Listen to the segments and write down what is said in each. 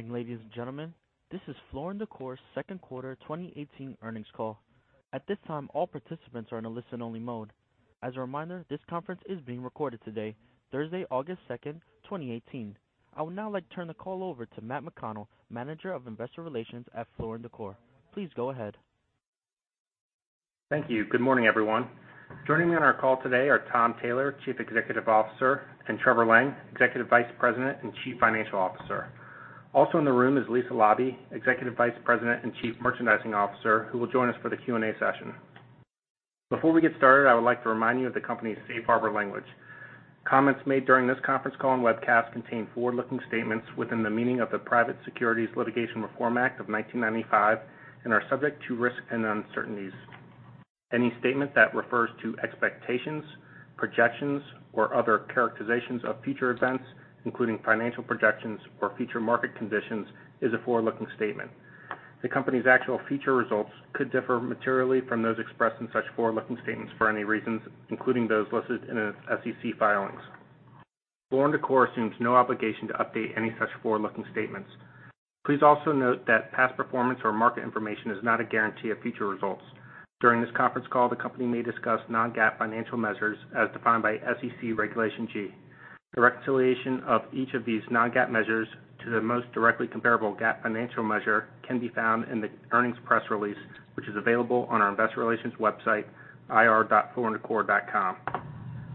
Good morning, ladies and gentlemen. This is Floor & Decor's second quarter 2018 earnings call. At this time, all participants are in a listen-only mode. As a reminder, this conference is being recorded today, Thursday, August 2nd, 2018. I would now like to turn the call over to Matthew McConnell, Manager of Investor Relations at Floor & Decor. Please go ahead. Thank you. Good morning, everyone. Joining me on our call today are Thomas Taylor, Chief Executive Officer, and Trevor Lang, Executive Vice President and Chief Financial Officer. Also in the room is Lisa Laube, Executive Vice President and Chief Merchandising Officer, who will join us for the Q&A session. Before we get started, I would like to remind you of the company's safe harbor language. Comments made during this conference call and webcast contain forward-looking statements within the meaning of the Private Securities Litigation Reform Act of 1995 and are subject to risk and uncertainties. Any statement that refers to expectations, projections, or other characterizations of future events, including financial projections or future market conditions, is a forward-looking statement. The company's actual future results could differ materially from those expressed in such forward-looking statements for any reasons, including those listed in its SEC filings. Floor & Decor assumes no obligation to update any such forward-looking statements. Please also note that past performance or market information is not a guarantee of future results. During this conference call, the company may discuss non-GAAP financial measures as defined by SEC Regulation G. The reconciliation of each of these non-GAAP measures to the most directly comparable GAAP financial measure can be found in the earnings press release, which is available on our investor relations website, ir.flooranddecor.com.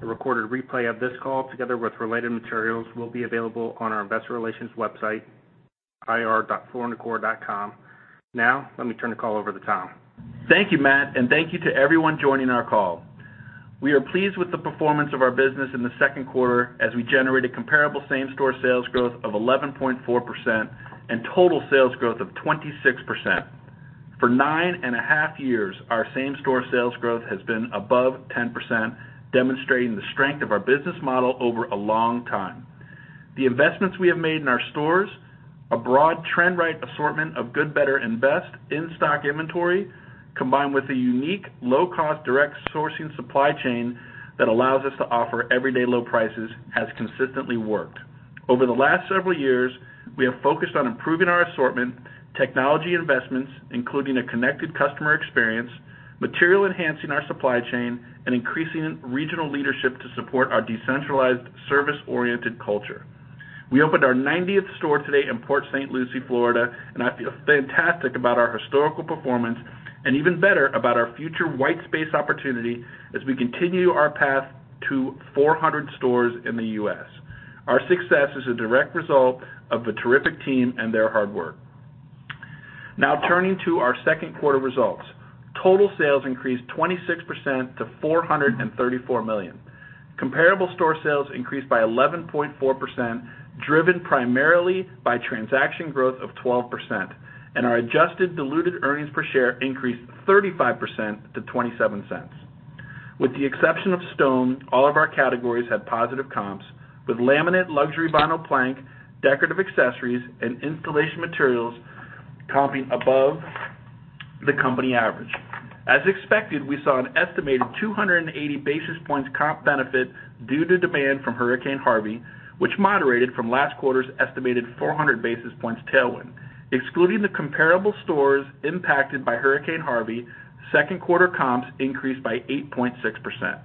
A recorded replay of this call, together with related materials, will be available on our investor relations website, ir.flooranddecor.com. Now, let me turn the call over to Tom. Thank you, Matt. Thank you to everyone joining our call. We are pleased with the performance of our business in the second quarter as we generated comparable same-store sales growth of 11.4% and total sales growth of 26%. For nine and a half years, our same-store sales growth has been above 10%, demonstrating the strength of our business model over a long time. The investments we have made in our stores, a broad trend-right assortment of good, better, and best in-stock inventory, combined with a unique low-cost, direct sourcing supply chain that allows us to offer everyday low prices, has consistently worked. Over the last several years, we have focused on improving our assortment, technology investments, including a connected customer experience, materially enhancing our supply chain, and increasing regional leadership to support our decentralized service-oriented culture. We opened our 90th store today in Port St. Lucie, Florida, and I feel fantastic about our historical performance and even better about our future white space opportunity as we continue our path to 400 stores in the U.S. Our success is a direct result of the terrific team and their hard work. Now, turning to our second quarter results. Total sales increased 26% to $434 million. Comparable store sales increased by 11.4%, driven primarily by transaction growth of 12%, and our adjusted diluted earnings per share increased 35% to $0.27. With the exception of stone, all of our categories had positive comps, with laminate, luxury vinyl plank, decorative accessories, and installation materials comping above the company average. As expected, we saw an estimated 280 basis points comp benefit due to demand from Hurricane Harvey, which moderated from last quarter's estimated 400 basis points tailwind. Excluding the comparable stores impacted by Hurricane Harvey, second quarter comps increased by 8.6%.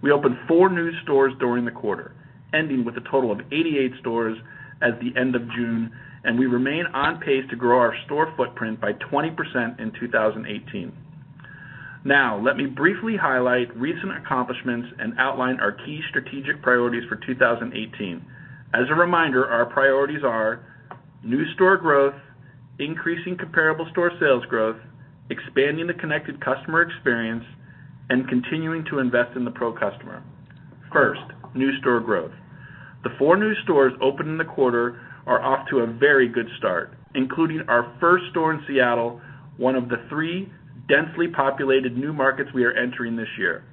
We opened four new stores during the quarter, ending with a total of 88 stores at the end of June, and we remain on pace to grow our store footprint by 20% in 2018. Now, let me briefly highlight recent accomplishments and outline our key strategic priorities for 2018. As a reminder, our priorities are new store growth, increasing comparable store sales growth, expanding the connected customer experience, and continuing to invest in the pro customer. First, new store growth. The four new stores opened in the quarter are off to a very good start, including our first store in Seattle, one of the three densely populated new markets we are entering this year.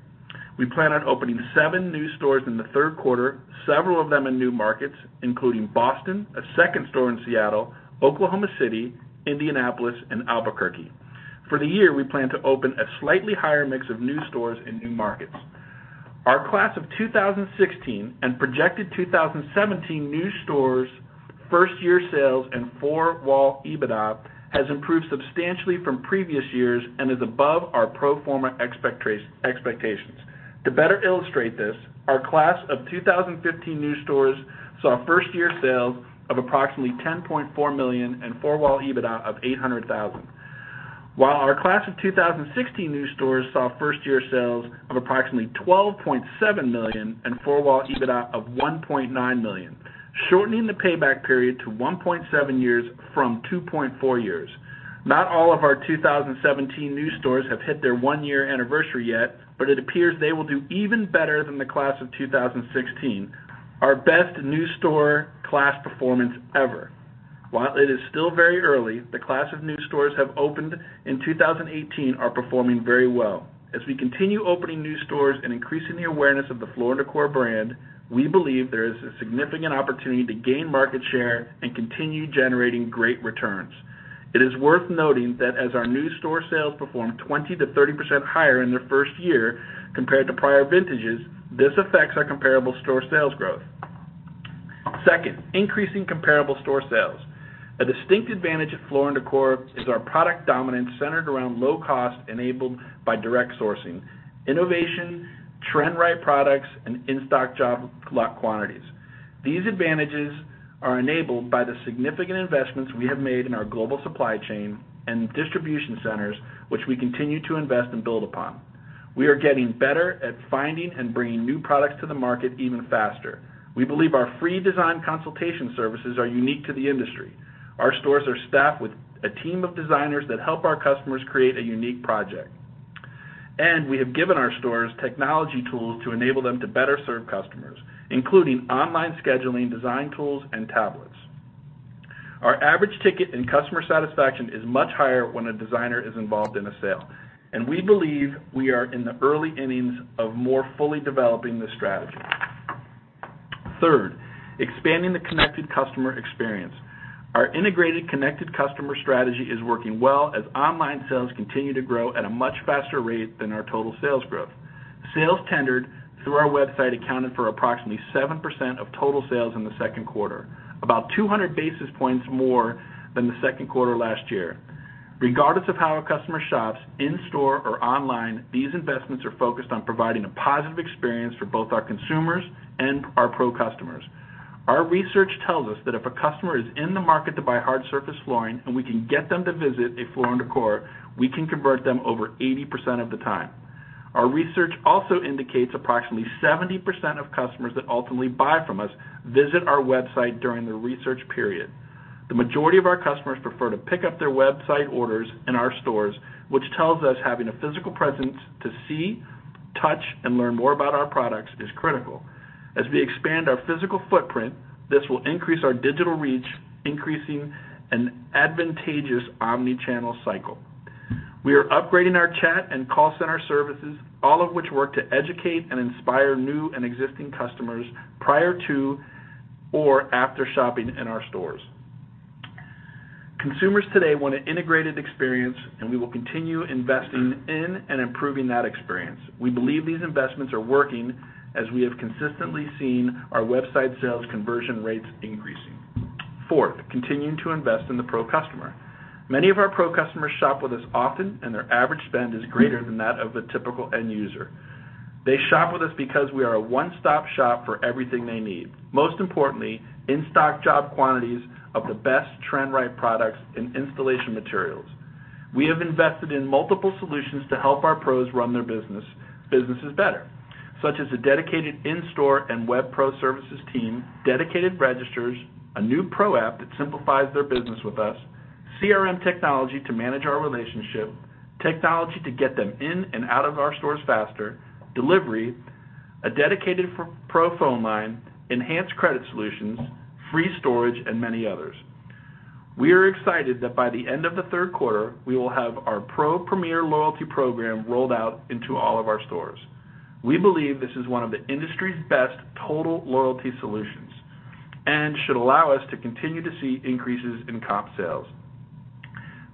We plan on opening seven new stores in the third quarter, several of them in new markets, including Boston, a second store in Seattle, Oklahoma City, Indianapolis, and Albuquerque. For the year, we plan to open a slightly higher mix of new stores in new markets. Our class of 2016 and projected 2017 new stores' first-year sales and four-wall EBITDA has improved substantially from previous years and is above our pro forma expectations. To better illustrate this, our class of 2015 new stores saw first-year sales of approximately $10.4 million and four-wall EBITDA of $800,000, while our class of 2016 new stores saw first-year sales of approximately $12.7 million and four-wall EBITDA of $1.9 million, shortening the payback period to 1.7 years from 2.4 years. Not all of our 2017 new stores have hit their one-year anniversary yet, but it appears they will do even better than the class of 2016, our best new store class performance ever. While it is still very early, the class of new stores that have opened in 2018 are performing very well. As we continue opening new stores and increasing the awareness of the Floor & Decor brand, we believe there is a significant opportunity to gain market share and continue generating great returns. It is worth noting that as our new store sales perform 20%-30% higher in their first year compared to prior vintages, this affects our comparable store sales growth. Second, increasing comparable store sales. A distinct advantage of Floor & Decor is our product dominance centered around low cost enabled by direct sourcing, innovation, trend-right products, and in-stock job lot quantities. These advantages are enabled by the significant investments we have made in our global supply chain and distribution centers, which we continue to invest and build upon. We are getting better at finding and bringing new products to the market even faster. We believe our free design consultation services are unique to the industry. Our stores are staffed with a team of designers that help our customers create a unique project. We have given our stores technology tools to enable them to better serve customers, including online scheduling, design tools, and tablets. Our average ticket and customer satisfaction is much higher when a designer is involved in a sale, and we believe we are in the early innings of more fully developing this strategy. Third, expanding the connected customer experience. Our integrated connected customer strategy is working well as online sales continue to grow at a much faster rate than our total sales growth. Sales tendered through our website accounted for approximately 7% of total sales in the second quarter, about 200 basis points more than the second quarter last year. Regardless of how a customer shops, in-store or online, these investments are focused on providing a positive experience for both our consumers and our pro customers. Our research tells us that if a customer is in the market to buy hard surface flooring, and we can get them to visit a Floor & Decor, we can convert them over 80% of the time. Our research also indicates approximately 70% of customers that ultimately buy from us visit our website during the research period. The majority of our customers prefer to pick up their website orders in our stores, which tells us having a physical presence to see, touch, and learn more about our products is critical. As we expand our physical footprint, this will increase our digital reach, increasing an advantageous omni-channel cycle. We are upgrading our chat and call center services, all of which work to educate and inspire new and existing customers prior to or after shopping in our stores. Consumers today want an integrated experience. We will continue investing in and improving that experience. We believe these investments are working as we have consistently seen our website sales conversion rates increasing. Fourth, continuing to invest in the pro customer. Many of our pro customers shop with us often, their average spend is greater than that of a typical end user. They shop with us because we are a one-stop shop for everything they need, most importantly, in-stock job quantities of the best trend-right products and installation materials. We have invested in multiple solutions to help our pros run their businesses better, such as a dedicated in-store and web pro services team, dedicated registers, a new pro app that simplifies their business with us, CRM technology to manage our relationship, technology to get them in and out of our stores faster, delivery, a dedicated pro phone line, enhanced credit solutions, free storage, and many others. We are excited that by the end of the third quarter, we will have our pro premier loyalty program rolled out into all of our stores. We believe this is one of the industry's best total loyalty solutions and should allow us to continue to see increases in comp sales.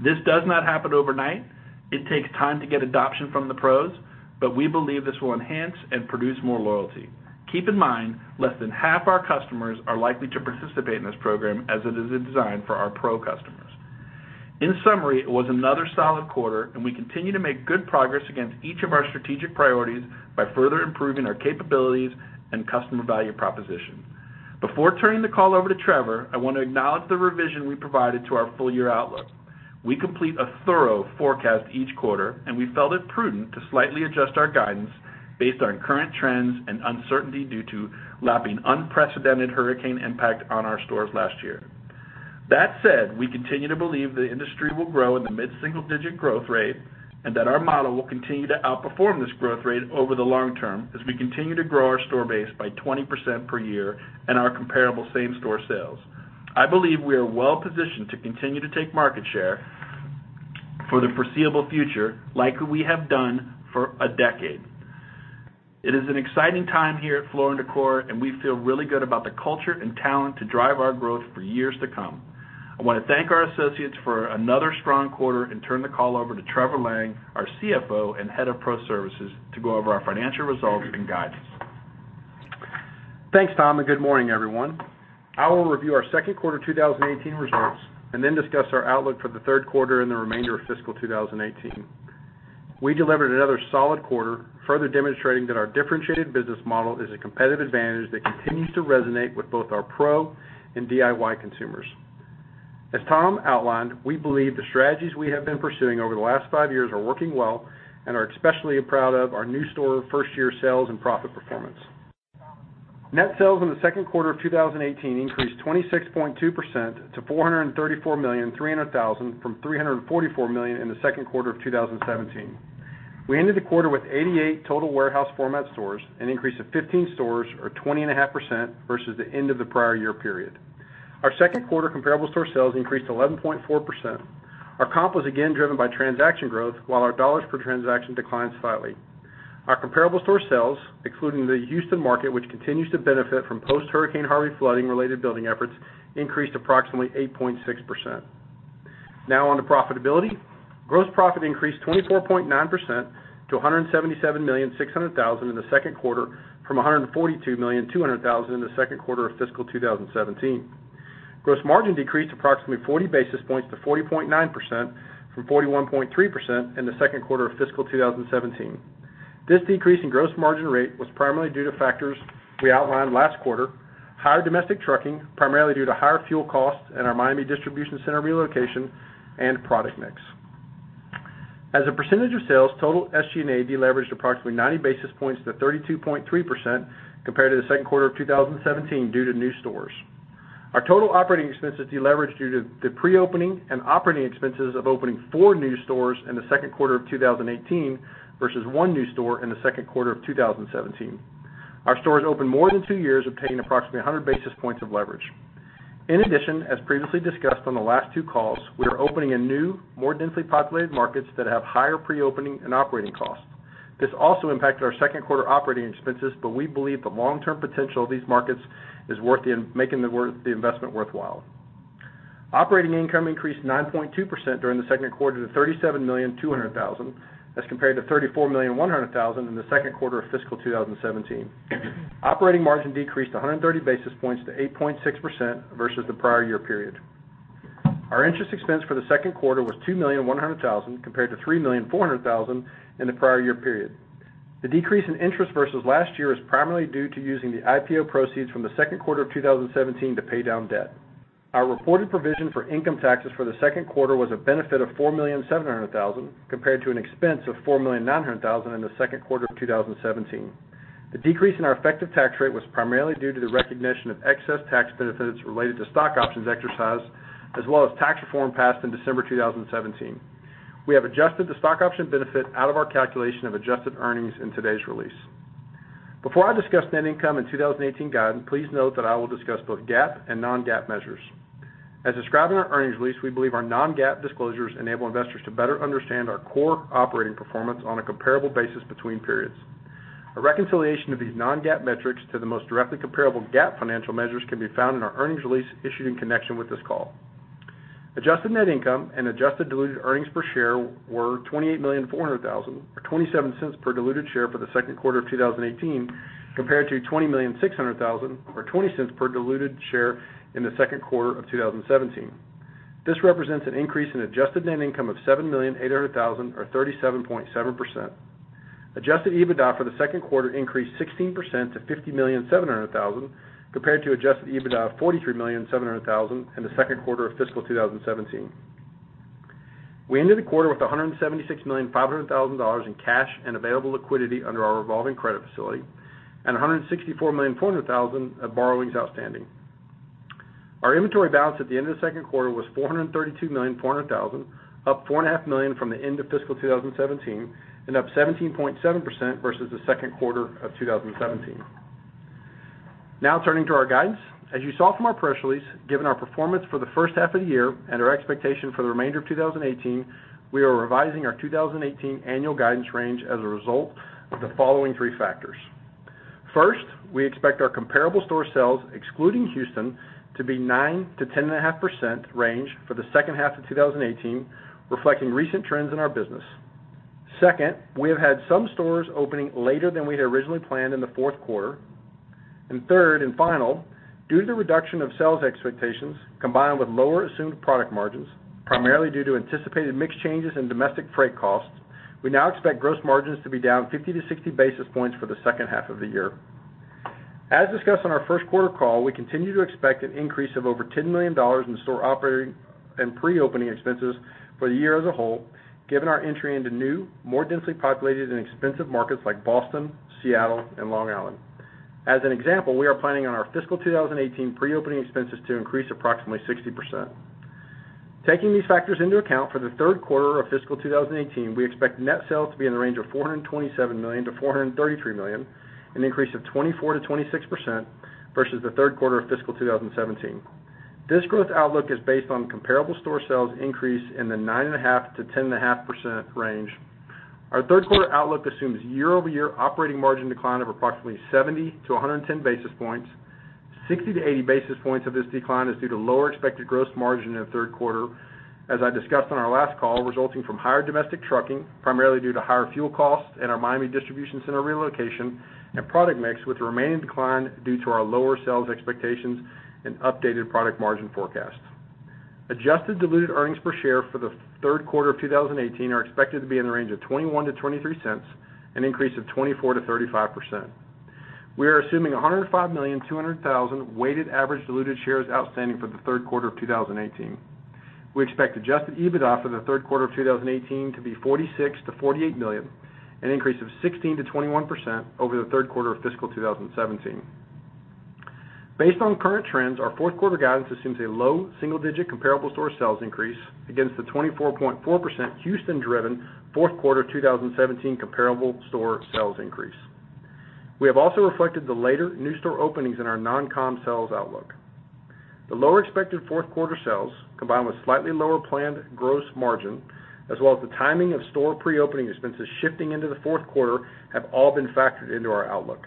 This does not happen overnight. It takes time to get adoption from the pros, but we believe this will enhance and produce more loyalty. Keep in mind, less than half our customers are likely to participate in this program as it is designed for our pro customers. In summary, it was another solid quarter, and we continue to make good progress against each of our strategic priorities by further improving our capabilities and customer value proposition. Before turning the call over to Trevor, I want to acknowledge the revision we provided to our full year outlook. We complete a thorough forecast each quarter, and we felt it prudent to slightly adjust our guidance based on current trends and uncertainty due to lapping unprecedented hurricane impact on our stores last year. That said, we continue to believe the industry will grow in the mid-single digit growth rate, and that our model will continue to outperform this growth rate over the long term as we continue to grow our store base by 20% per year and our comparable same-store sales. I believe we are well positioned to continue to take market share for the foreseeable future like we have done for a decade. It is an exciting time here at Floor & Decor, and we feel really good about the culture and talent to drive our growth for years to come. I want to thank our associates for another strong quarter and turn the call over to Trevor Lang, our CFO and Head of Pro Services, to go over our financial results and guidance. Thanks, Tom, and good morning, everyone. I will review our second quarter 2018 results and then discuss our outlook for the third quarter and the remainder of fiscal 2018. We delivered another solid quarter, further demonstrating that our differentiated business model is a competitive advantage that continues to resonate with both our pro and DIY consumers. As Tom outlined, we believe the strategies we have been pursuing over the last five years are working well and are especially proud of our new store first-year sales and profit performance. Net sales in the second quarter of 2018 increased 26.2% to $434,300,000 from $344 million in the second quarter of 2017. We ended the quarter with 88 total warehouse format stores, an increase of 15 stores or 20.5% versus the end of the prior year period. Our second quarter comparable store sales increased 11.4%. Our comp was again driven by transaction growth while our dollars per transaction declined slightly. Our comparable store sales, excluding the Houston market, which continues to benefit from post-Hurricane Harvey flooding related building efforts, increased approximately 8.6%. Now on to profitability. Gross profit increased 24.9% to $177,600,000 in the second quarter from $142,200,000 in the second quarter of fiscal 2017. Gross margin decreased approximately 40 basis points to 40.9%, from 41.3% in the second quarter of fiscal 2017. This decrease in gross margin rate was primarily due to factors we outlined last quarter, higher domestic trucking, primarily due to higher fuel costs and our Miami distribution center relocation, and product mix. As a percentage of sales, total SG&A deleveraged approximately 90 basis points to 32.3% compared to the second quarter of 2017 due to new stores. Our total operating expenses deleveraged due to the pre-opening and operating expenses of opening four new stores in the second quarter of 2018 versus one new store in the second quarter of 2017. Our stores open more than two years obtained approximately 100 basis points of leverage. In addition, as previously discussed on the last two calls, we are opening in new, more densely populated markets that have higher pre-opening and operating costs. This also impacted our second quarter operating expenses, but we believe the long-term potential of these markets is making the investment worthwhile. Operating income increased 9.2% during the second quarter to $37,200,000 as compared to $34,100,000 in the second quarter of fiscal 2017. Operating margin decreased 130 basis points to 8.6% versus the prior year period. Our interest expense for the second quarter was $2,100,000 compared to $3,400,000 in the prior year period. The decrease in interest versus last year is primarily due to using the IPO proceeds from the second quarter of 2017 to pay down debt. Our reported provision for income taxes for the second quarter was a benefit of $4,700,000 compared to an expense of $4,900,000 in the second quarter of 2017. The decrease in our effective tax rate was primarily due to the recognition of excess tax benefits related to stock options exercised, as well as tax reform passed in December 2017. We have adjusted the stock option benefit out of our calculation of adjusted earnings in today's release. Before I discuss net income in 2018 guidance, please note that I will discuss both GAAP and non-GAAP measures. As described in our earnings release, we believe our non-GAAP disclosures enable investors to better understand our core operating performance on a comparable basis between periods. A reconciliation of these non-GAAP metrics to the most directly comparable GAAP financial measures can be found in our earnings release issued in connection with this call. Adjusted net income and adjusted diluted earnings per share were $28,400,000 or $0.27 per diluted share for the second quarter of 2018, compared to $20,600,000 or $0.20 per diluted share in the second quarter of 2017. This represents an increase in adjusted net income of $7,800,000 or 37.7%. Adjusted EBITDA for the second quarter increased 16% to $50,700,000 compared to adjusted EBITDA of $43,700,000 in the second quarter of fiscal 2017. We ended the quarter with $176,500,000 in cash and available liquidity under our revolving credit facility and $164,400,000 of borrowings outstanding. Now turning to our guidance. As you saw from our press release, given our performance for the first half of the year and our expectation for the remainder of 2018, we are revising our 2018 annual guidance range as a result of the following three factors. First, we expect our comparable store sales, excluding Houston, to be 9%-10.5% range for the second half of 2018, reflecting recent trends in our business. Second, we have had some stores opening later than we had originally planned in the fourth quarter. Third and final, due to the reduction of sales expectations combined with lower assumed product margins, primarily due to anticipated mix changes in domestic freight costs, we now expect gross margins to be down 50-60 basis points for the second half of the year. As discussed on our first quarter call, we continue to expect an increase of over $10 million in store operating and pre-opening expenses for the year as a whole, given our entry into new, more densely populated and expensive markets like Boston, Seattle, and Long Island. As an example, we are planning on our fiscal 2018 pre-opening expenses to increase approximately 60%. Taking these factors into account for the third quarter of fiscal 2018, we expect net sales to be in the range of $427 million-$433 million, an increase of 24%-26% versus the third quarter of fiscal 2017. This growth outlook is based on comparable store sales increase in the 9.5%-10.5% range. Our third quarter outlook assumes year-over-year operating margin decline of approximately 70-110 basis points, 60-80 basis points of this decline is due to lower expected gross margin in the third quarter, as I discussed on our last call, resulting from higher domestic trucking, primarily due to higher fuel costs and our Miami distribution center relocation and product mix with the remaining decline due to our lower sales expectations and updated product margin forecasts. Adjusted diluted earnings per share for the third quarter of 2018 are expected to be in the range of $0.21-$0.23, an increase of 24%-35%. We are assuming 105,200,000 weighted average diluted shares outstanding for the third quarter of 2018. We expect Adjusted EBITDA for the third quarter of 2018 to be $46 million-$48 million, an increase of 16%-21% over the third quarter of fiscal 2017. Based on current trends, our fourth quarter guidance assumes a low single-digit comparable store sales increase against the 24.4% Houston-driven fourth quarter 2017 comparable store sales increase. We have also reflected the later new store openings in our non-comp sales outlook. The lower expected fourth quarter sales, combined with slightly lower planned gross margin, as well as the timing of store pre-opening expenses shifting into the fourth quarter, have all been factored into our outlook.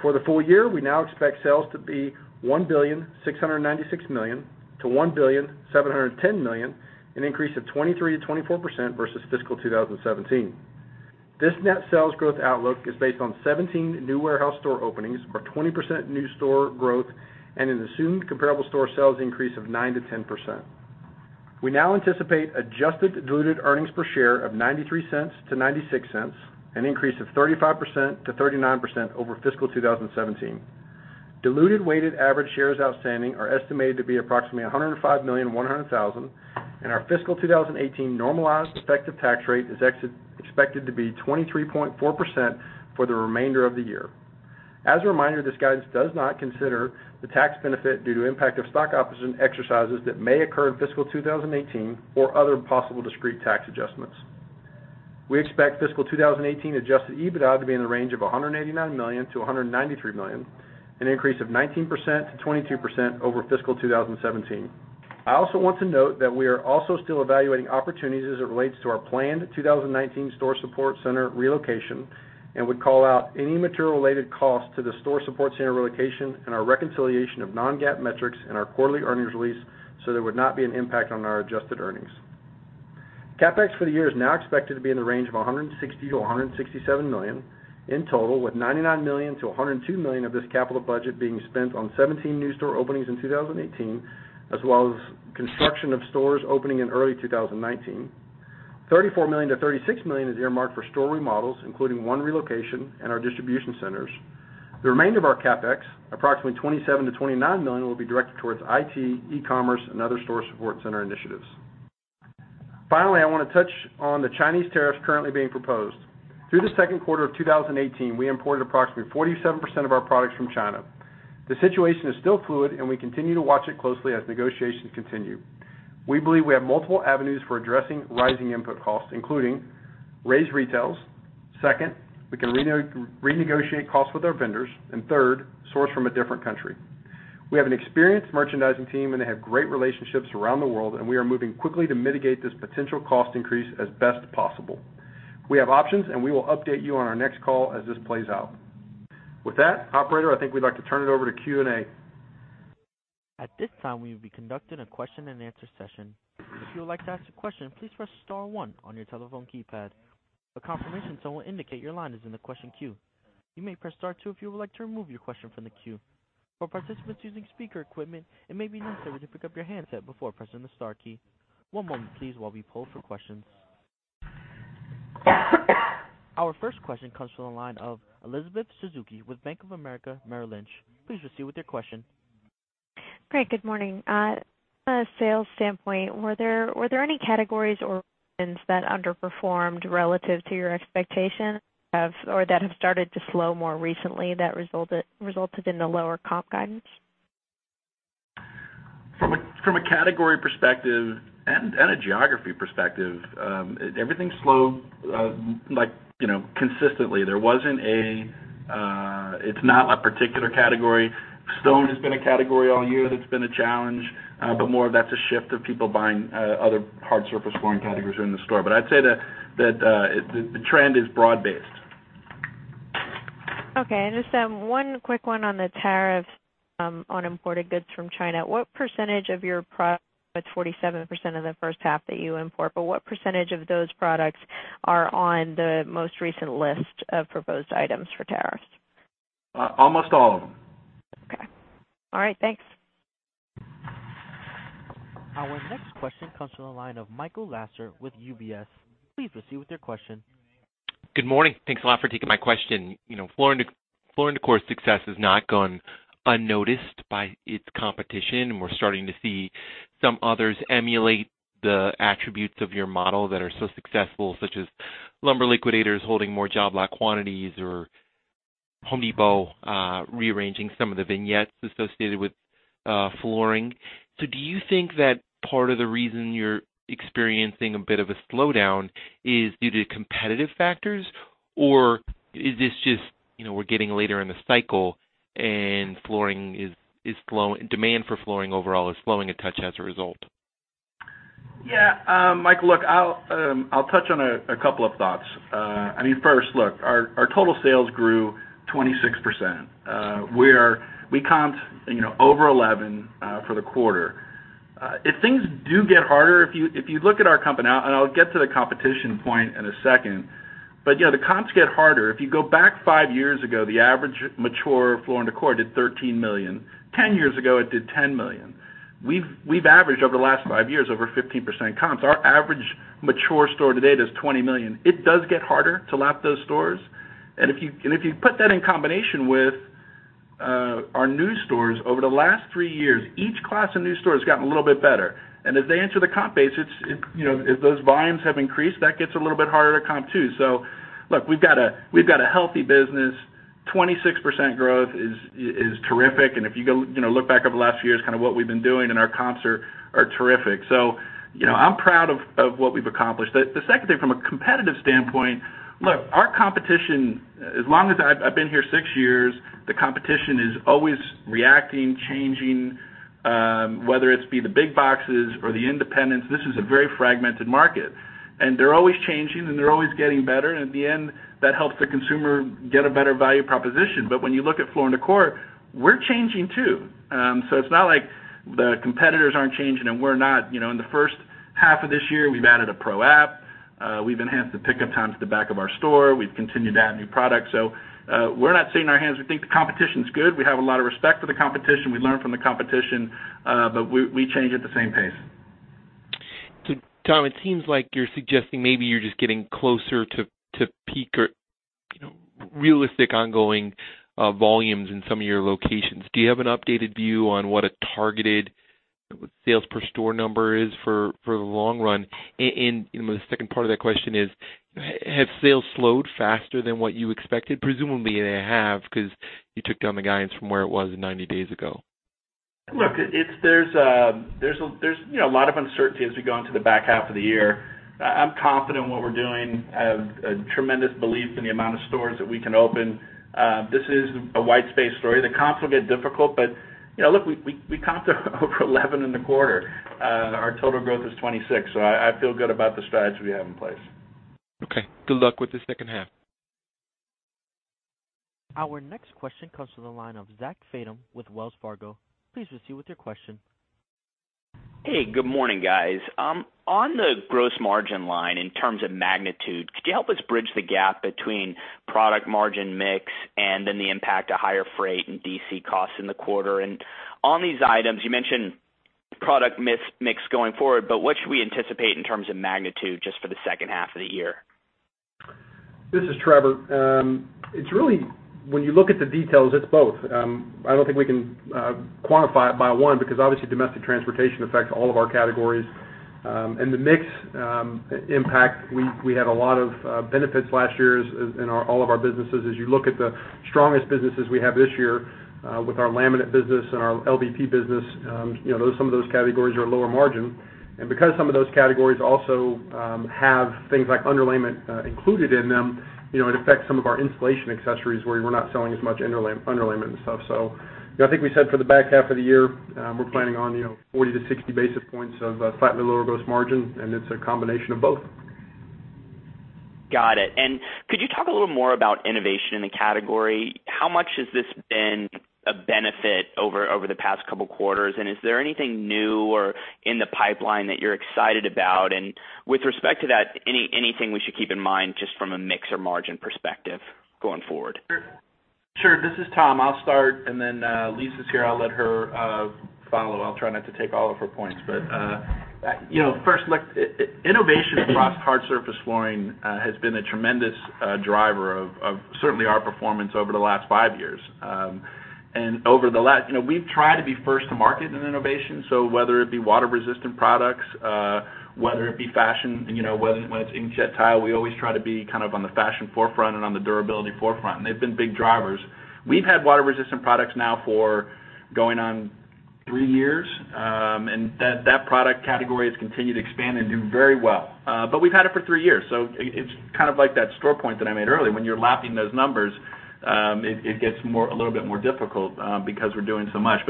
For the full year, we now expect sales to be $1,696,000,000-$1,710,000,000, an increase of 23%-24% versus fiscal 2017. This net sales growth outlook is based on 17 new warehouse store openings or 20% new store growth, and an assumed comparable store sales increase of 9%-10%. We now anticipate adjusted diluted earnings per share of $0.93-$0.96, an increase of 35%-39% over fiscal 2017. Diluted weighted average shares outstanding are estimated to be approximately 105,100,000, and our fiscal 2018 normalized effective tax rate is expected to be 23.4% for the remainder of the year. As a reminder, this guidance does not consider the tax benefit due to impact of stock option exercises that may occur in fiscal 2018 or other possible discrete tax adjustments. We expect fiscal 2018 Adjusted EBITDA to be in the range of $189 million-$193 million, an increase of 19%-22% over fiscal 2017. I also want to note that we are also still evaluating opportunities as it relates to our planned 2019 store support center relocation and would call out any material-related cost to the store support center relocation and our reconciliation of non-GAAP metrics in our quarterly earnings release so there would not be an impact on our adjusted earnings. CapEx for the year is now expected to be in the range of $160 million-$167 million in total, with $99 million-$102 million of this capital budget being spent on 17 new store openings in 2018, as well as construction of stores opening in early 2019. $34 million-$36 million is earmarked for store remodels, including one relocation and our distribution centers. The remainder of our CapEx, approximately $27 million-$29 million, will be directed towards IT, e-commerce, and other store support center initiatives. Finally, I want to touch on the Chinese tariffs currently being proposed. Through the second quarter of 2018, we imported approximately 47% of our products from China. The situation is still fluid, we continue to watch it closely as negotiations continue. We believe we have multiple avenues for addressing rising input costs, including raised retails. Second, we can renegotiate costs with our vendors. Third, source from a different country. We have an experienced merchandising team, they have great relationships around the world, we are moving quickly to mitigate this potential cost increase as best possible. We have options, we will update you on our next call as this plays out. With that, operator, I think we'd like to turn it over to Q&A. At this time, we will be conducting a question and answer session. If you would like to ask a question, please press *1 on your telephone keypad. A confirmation tone will indicate your line is in the question queue. You may press *2 if you would like to remove your question from the queue. For participants using speaker equipment, it may be necessary to pick up your handset before pressing the star key. One moment please while we poll for questions. Our first question comes from the line of Elizabeth Suzuki with Bank of America Merrill Lynch. Please proceed with your question. Great. Good morning. From a sales standpoint, were there any categories or that underperformed relative to your expectation of or that have started to slow more recently that resulted in the lower comp guidance? From a category perspective and a geography perspective, everything slowed consistently. It's not a particular category. Stone has been a category all year that's been a challenge, but more of that's a shift of people buying other hard surface flooring categories that are in the store. I'd say that the trend is broad-based. Okay. Just one quick one on the tariffs on imported goods from China. What percentage of your It's 47% of the first half that you import, but what percentage of those products are on the most recent list of proposed items for tariffs? Almost all of them. Okay. All right, thanks. Our next question comes from the line of Michael Lasser with UBS. Please proceed with your question. Good morning. Thanks a lot for taking my question. Floor & Decor success has not gone unnoticed by its competition, and we're starting to see some others emulate the attributes of your model that are so successful, such as Lumber Liquidators holding more job lot quantities or Home Depot rearranging some of the vignettes associated with flooring. Do you think that part of the reason you're experiencing a bit of a slowdown is due to competitive factors, or is this just we're getting later in the cycle and demand for flooring overall is slowing a touch as a result? Yeah. Mike, look, I'll touch on a couple of thoughts. First, look, our total sales grew 26%. We comped over 11 for the quarter. If things do get harder, if you look at our company And I'll get to the competition point in a second, but yeah, the comps get harder. If you go back five years ago, the average mature Floor & Decor did $13 million. Ten years ago, it did $10 million. We've averaged over the last five years over 15% comps. Our average mature store today does $20 million. It does get harder to lap those stores. If you put that in combination with our new stores over the last three years, each class of new store has gotten a little bit better. As they enter the comp base, if those volumes have increased, that gets a little bit harder to comp, too. Look, we've got a healthy business. 26% growth is terrific, and if you go look back over the last few years, kind of what we've been doing, and our comps are terrific. I'm proud of what we've accomplished. The second thing, from a competitive standpoint, look, our competition, I've been here six years, the competition is always reacting, changing, whether it's be the big boxes or the independents, this is a very fragmented market, and they're always changing, and they're always getting better, and at the end, that helps the consumer get a better value proposition. When you look at Floor & Decor, we're changing, too. It's not like the competitors aren't changing and we're not. In the first half of this year, we've added a pro app, we've enhanced the pickup times at the back of our store, we've continued to add new products. We're not sitting on our hands. We think the competition's good. We have a lot of respect for the competition. We learn from the competition, but we change at the same pace. Tom, it seems like you're suggesting maybe you're just getting closer to peak or realistic ongoing volumes in some of your locations. Do you have an updated view on what a targeted sales per store number is for the long run? The second part of that question is, have sales slowed faster than what you expected? Presumably, they have, because you took down the guidance from where it was 90 days ago. Look, there's a lot of uncertainty as we go into the back half of the year. I'm confident in what we're doing. I have a tremendous belief in the amount of stores that we can open. This is a white space story. The comps will get difficult, but look, we comped over 11 in the quarter. Our total growth is 26, so I feel good about the strategy we have in place. Okay. Good luck with the second half. Our next question comes from the line of Zach Fadem with Wells Fargo. Please proceed with your question. Hey, good morning, guys. On the gross margin line, in terms of magnitude, could you help us bridge the gap between product margin mix and then the impact of higher freight and DC costs in the quarter? On these items, you mentioned product mix going forward, but what should we anticipate in terms of magnitude just for the second half of the year? This is Trevor. When you look at the details, it's both. I don't think we can quantify it by one, because obviously domestic transportation affects all of our categories. The mix impact, we had a lot of benefits last year in all of our businesses. As you look at the strongest businesses we have this year, with our laminate business and our LVP business, some of those categories are lower margin. Because some of those categories also have things like underlayment included in them, it affects some of our installation accessories where we're not selling as much underlayment and stuff. I think we said for the back half of the year, we're planning on 40-60 basis points of slightly lower gross margin, and it's a combination of both. Got it. Could you talk a little more about innovation in the category? How much has this been a benefit over the past couple of quarters, and is there anything new or in the pipeline that you're excited about? With respect to that, anything we should keep in mind just from a mix or margin perspective going forward? Sure. This is Tom. I'll start, and then Lisa's here. I'll let her follow. I'll try not to take all of her points. First, look, innovation across hard surface flooring has been a tremendous driver of certainly our performance over the last 5 years. We've tried to be first to market in innovation, so whether it be water-resistant products, whether it be fashion, when it's inkjet tile, we always try to be on the fashion forefront and on the durability forefront, and they've been big drivers. We've had water-resistant products now for going on 3 years, and that product category has continued to expand and do very well. We've had it for 3 years, so it's like that store point that I made earlier. When you're lapping those numbers, it gets a little bit more difficult because we're doing so much.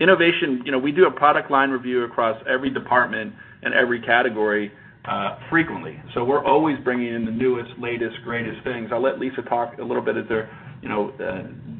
Innovation, we do a product line review across every department and every category frequently. We're always bringing in the newest, latest, greatest things. I'll let Lisa talk a little bit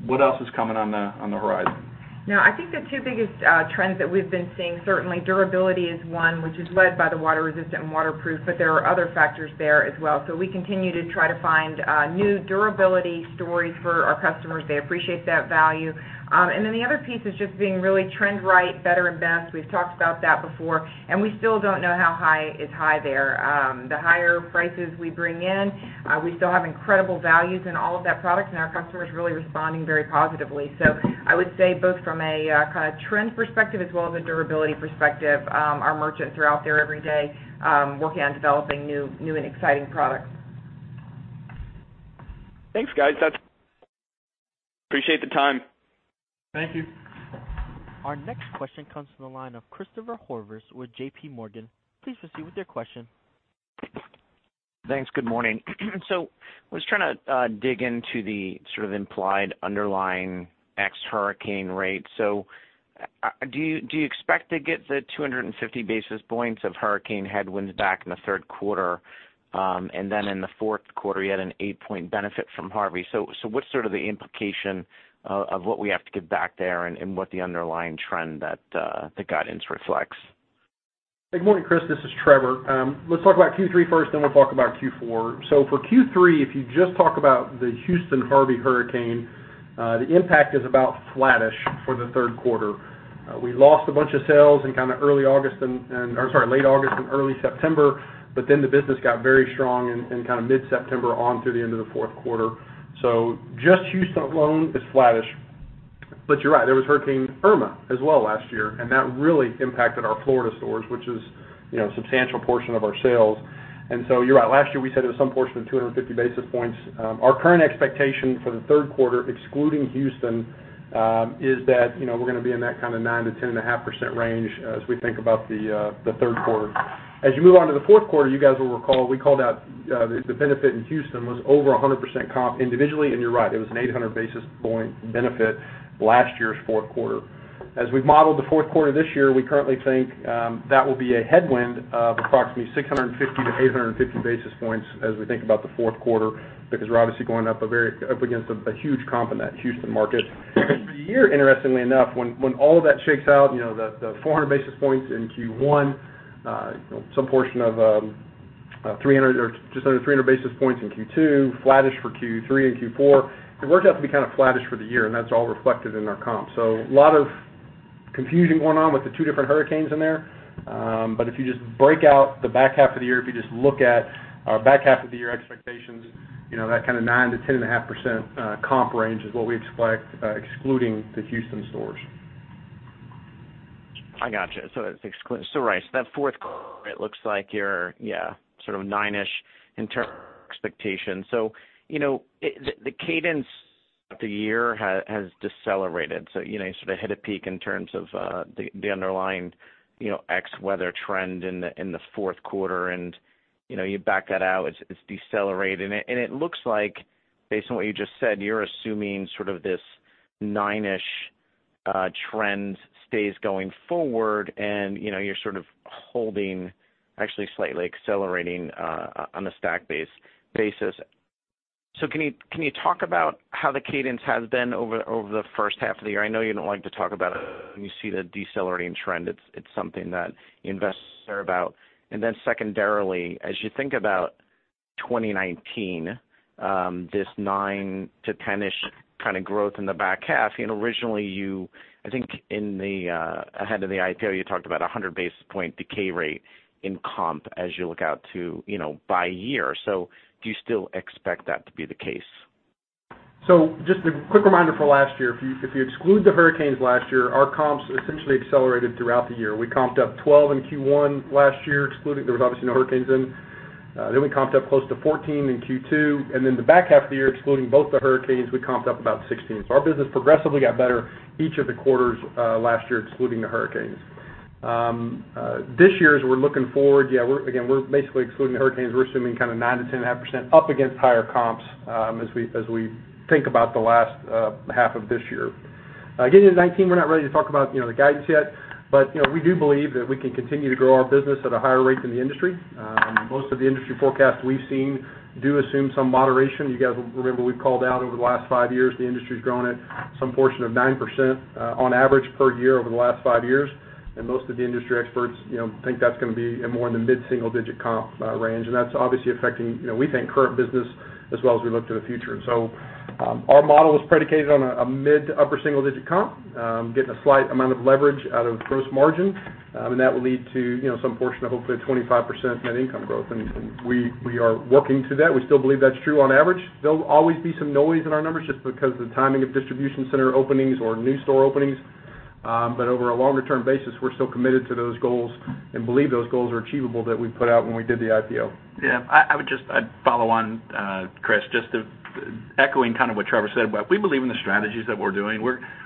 what else is coming on the horizon. I think the two biggest trends that we've been seeing, certainly durability is one, which is led by the water-resistant and waterproof, there are other factors there as well. We continue to try to find new durability stories for our customers. They appreciate that value. The other piece is just being really trend-right, better and best. We've talked about that before, and we still don't know how high is high there. The higher prices we bring in, we still have incredible values in all of that product, and our customers are really responding very positively. I would say both from a trend perspective as well as a durability perspective, our merchants are out there every day, working on developing new and exciting products. Thanks, guys. Appreciate the time. Thank you. Our next question comes from the line of Christopher Horvers with J.P. Morgan. Please proceed with your question. Thanks. Good morning. I was trying to dig into the sort of implied underlying ex-hurricane rate. Do you expect to get the 250 basis points of hurricane headwinds back in the third quarter? In the fourth quarter, you had an eight-point benefit from Harvey. What's sort of the implication of what we have to give back there and what the underlying trend that the guidance reflects? Good morning, Chris. This is Trevor. Let's talk about Q3 first, then we'll talk about Q4. For Q3, if you just talk about the Houston Hurricane Harvey, the impact is about flattish for the third quarter. We lost a bunch of sales in late August and early September, the business got very strong in mid-September on through the end of the fourth quarter. Just Houston alone is flattish. You're right, there was Hurricane Irma as well last year, that really impacted our Florida stores, which is a substantial portion of our sales. You're right. Last year, we said it was some portion of 250 basis points. Our current expectation for the third quarter, excluding Houston, is that we're going to be in that kind of 9%-10.5% range as we think about the third quarter. As you move on to the fourth quarter, you guys will recall, we called out the benefit in Houston was over 100% comp individually, and you're right, it was an 800-basis point benefit last year's fourth quarter. As we've modeled the fourth quarter this year, we currently think that will be a headwind of approximately 650-850 basis points as we think about the fourth quarter, because we're obviously going up against a huge comp in that Houston market. For the year, interestingly enough, when all of that shakes out, the 400 basis points in Q1, some portion of just under 300 basis points in Q2, flattish for Q3 and Q4, it worked out to be kind of flattish for the year, and that's all reflected in our comp. A lot of confusing going on with the two different hurricanes in there. If you just break out the back half of the year, if you just look at our back half of the year expectations, that kind of 9%-10.5% comp range is what we expect, excluding the Houston stores. I gotcha. That's excluding. Right, so that fourth quarter, it looks like you're, yeah, sort of nine-ish in terms of expectations. The cadence of the year has decelerated. You sort of hit a peak in terms of the underlying ex-weather trend in the fourth quarter, and you back that out, it's decelerating. It looks like based on what you just said, you're assuming sort of this nine-ish trend stays going forward and you're sort of holding, actually slightly accelerating on a stack basis. Can you talk about how the cadence has been over the first half of the year? I know you don't like to talk about it, when you see the decelerating trend, it's something that investors care about. Secondarily, as you think about 2019, this 9%-10-ish kind of growth in the back half, originally you, I think ahead of the IPO, you talked about 100 basis point decay rate in comp as you look out to by year. Do you still expect that to be the case? Just a quick reminder for last year. If you exclude the hurricanes last year, our comps essentially accelerated throughout the year. We comped up 12% in Q1 last year, there was obviously no hurricanes then. We comped up close to 14% in Q2, and then the back half of the year, excluding both the hurricanes, we comped up about 16%. Our business progressively got better each of the quarters last year, excluding the hurricanes. This year as we're looking forward, again, we're basically excluding hurricanes. We're assuming kind of 9% to 10.5% up against higher comps as we think about the last half of this year. Getting into 2019, we're not ready to talk about the guidance yet, we do believe that we can continue to grow our business at a higher rate than the industry. Most of the industry forecasts we've seen do assume some moderation. You guys will remember we've called out over the last five years, the industry's grown at some portion of 9% on average per year over the last five years, and most of the industry experts think that's going to be more in the mid-single-digit comp range, that's obviously affecting, we think, current business as well as we look to the future. Our model is predicated on a mid-to-upper single-digit comp, getting a slight amount of leverage out of gross margin, and that will lead to some portion of hopefully 25% net income growth, and we are working to that. We still believe that's true on average. There'll always be some noise in our numbers just because of the timing of distribution center openings or new store openings. Over a longer-term basis, we're still committed to those goals and believe those goals are achievable that we put out when we did the IPO. I'd follow on, Chris, just echoing kind of what Trevor said. We believe in the strategies that we're doing.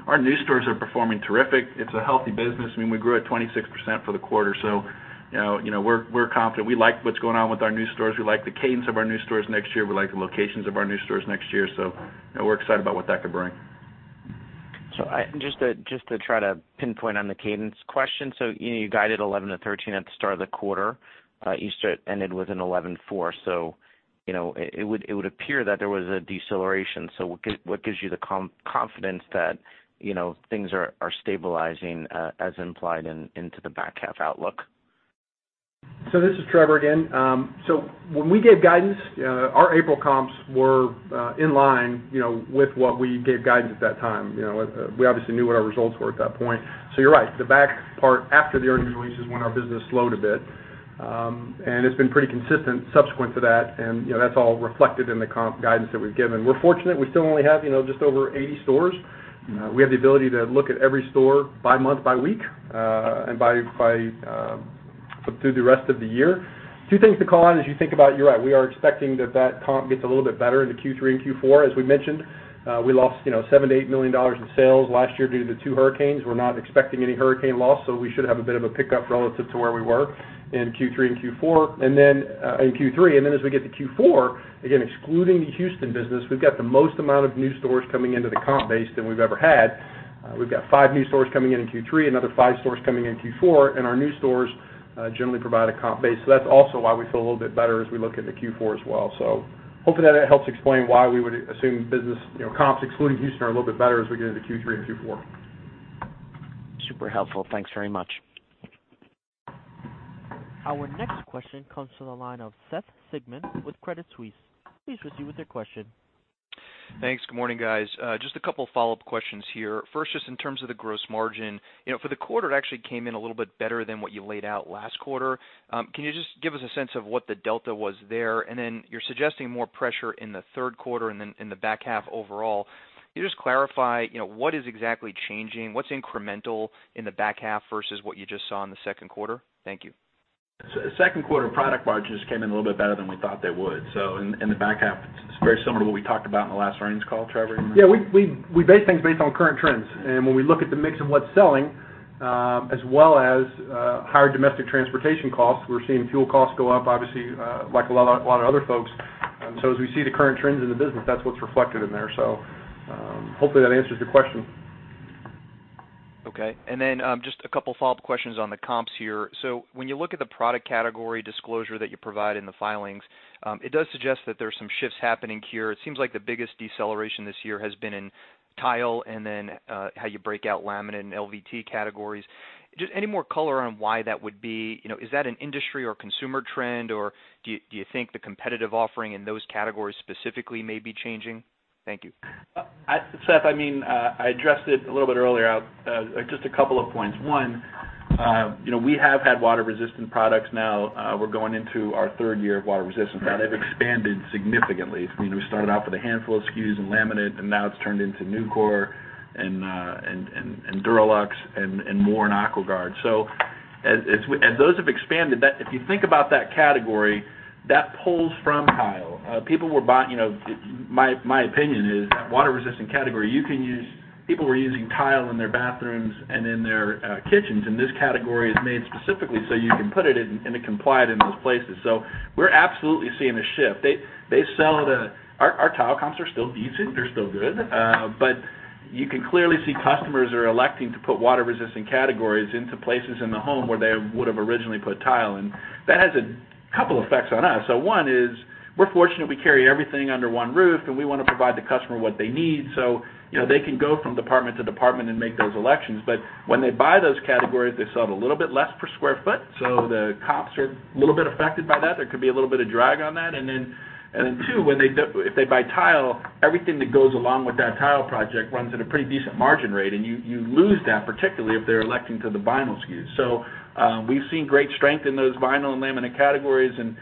Our new stores are performing terrific. It's a healthy business. We grew at 26% for the quarter, we're confident. We like what's going on with our new stores. We like the cadence of our new stores next year. We like the locations of our new stores next year. We're excited about what that could bring. Just to try to pinpoint on the cadence question. You guided 11%-13% at the start of the quarter. You ended within 11.4%. It would appear that there was a deceleration. What gives you the confidence that things are stabilizing as implied into the back half outlook? This is Trevor again. When we gave guidance, our April comps were in line with what we gave guidance at that time. We obviously knew what our results were at that point. You're right, the back part after the earnings release is when our business slowed a bit. It's been pretty consistent subsequent to that, and that's all reflected in the comp guidance that we've given. We're fortunate. We still only have just over 80 stores. We have the ability to look at every store by month, by week, and through the rest of the year. Two things to call out as you think about, you're right, we are expecting that comp gets a little bit better into Q3 and Q4. As we mentioned, we lost $7 million-$8 million in sales last year due to the two hurricanes. We're not expecting any hurricane loss, so we should have a bit of a pickup relative to where we were in Q3 and Q4. As we get to Q4, again, excluding the Houston business, we've got the most amount of new stores coming into the comp base than we've ever had. We've got five new stores coming in in Q3, another five stores coming in Q4, and our new stores generally provide a comp base. That's also why we feel a little bit better as we look into Q4 as well. Hopefully that helps explain why we would assume business comps excluding Houston are a little bit better as we get into Q3 and Q4. Super helpful. Thanks very much. Our next question comes from the line of Seth Sigman with Credit Suisse. Please proceed with your question. Thanks. Good morning, guys. Just a couple follow-up questions here. First, just in terms of the gross margin. For the quarter, it actually came in a little bit better than what you laid out last quarter. Can you just give us a sense of what the delta was there? Then you're suggesting more pressure in the third quarter and then in the back half overall. Can you just clarify, what is exactly changing? What's incremental in the back half versus what you just saw in the second quarter? Thank you. Second quarter product margins came in a little bit better than we thought they would. In the back half, it strayed some where to what we talked about in the last earnings call, Trevor? We base things based on current trends, when we look at the mix of what's selling, as well as higher domestic transportation costs, we're seeing fuel costs go up, obviously, like a lot of other folks. As we see the current trends in the business, that's what's reflected in there. Hopefully that answers your question. Just a couple follow-up questions on the comps here. When you look at the product category disclosure that you provide in the filings, it does suggest that there's some shifts happening here. It seems like the biggest deceleration this year has been in tile and then how you break out laminate and LVT categories. Just any more color on why that would be. Is that an industry or consumer trend, or do you think the competitive offering in those categories specifically may be changing? Thank you. Seth, I addressed it a little bit earlier. Just a couple of points. One, we have had water-resistant products now we're going into our third year of water resistance. That have expanded significantly. We started out with a handful of SKUs and laminate, and now it's turned into NuCore and DuraLux and more in AquaGuard. As those have expanded, if you think about that category, that pulls from tile. My opinion is that water-resistant category, people were using tile in their bathrooms and in their kitchens, and this category is made specifically so you can put it in and it complied in those places. We're absolutely seeing a shift. Our tile comps are still decent, they're still good. You can clearly see customers are electing to put water-resistant categories into places in the home where they would've originally put tile in. That has a couple effects on us. One is, we're fortunate we carry everything under one roof, and we want to provide the customer what they need, so they can go from department to department and make those elections. When they buy those categories, they sell it a little bit less per square foot, so the comps are a little bit affected by that. There could be a little bit of drag on that. Two, if they buy tile, everything that goes along with that tile project runs at a pretty decent margin rate, and you lose that, particularly if they're electing to the vinyl SKUs. We've seen great strength in those vinyl and laminate categories, and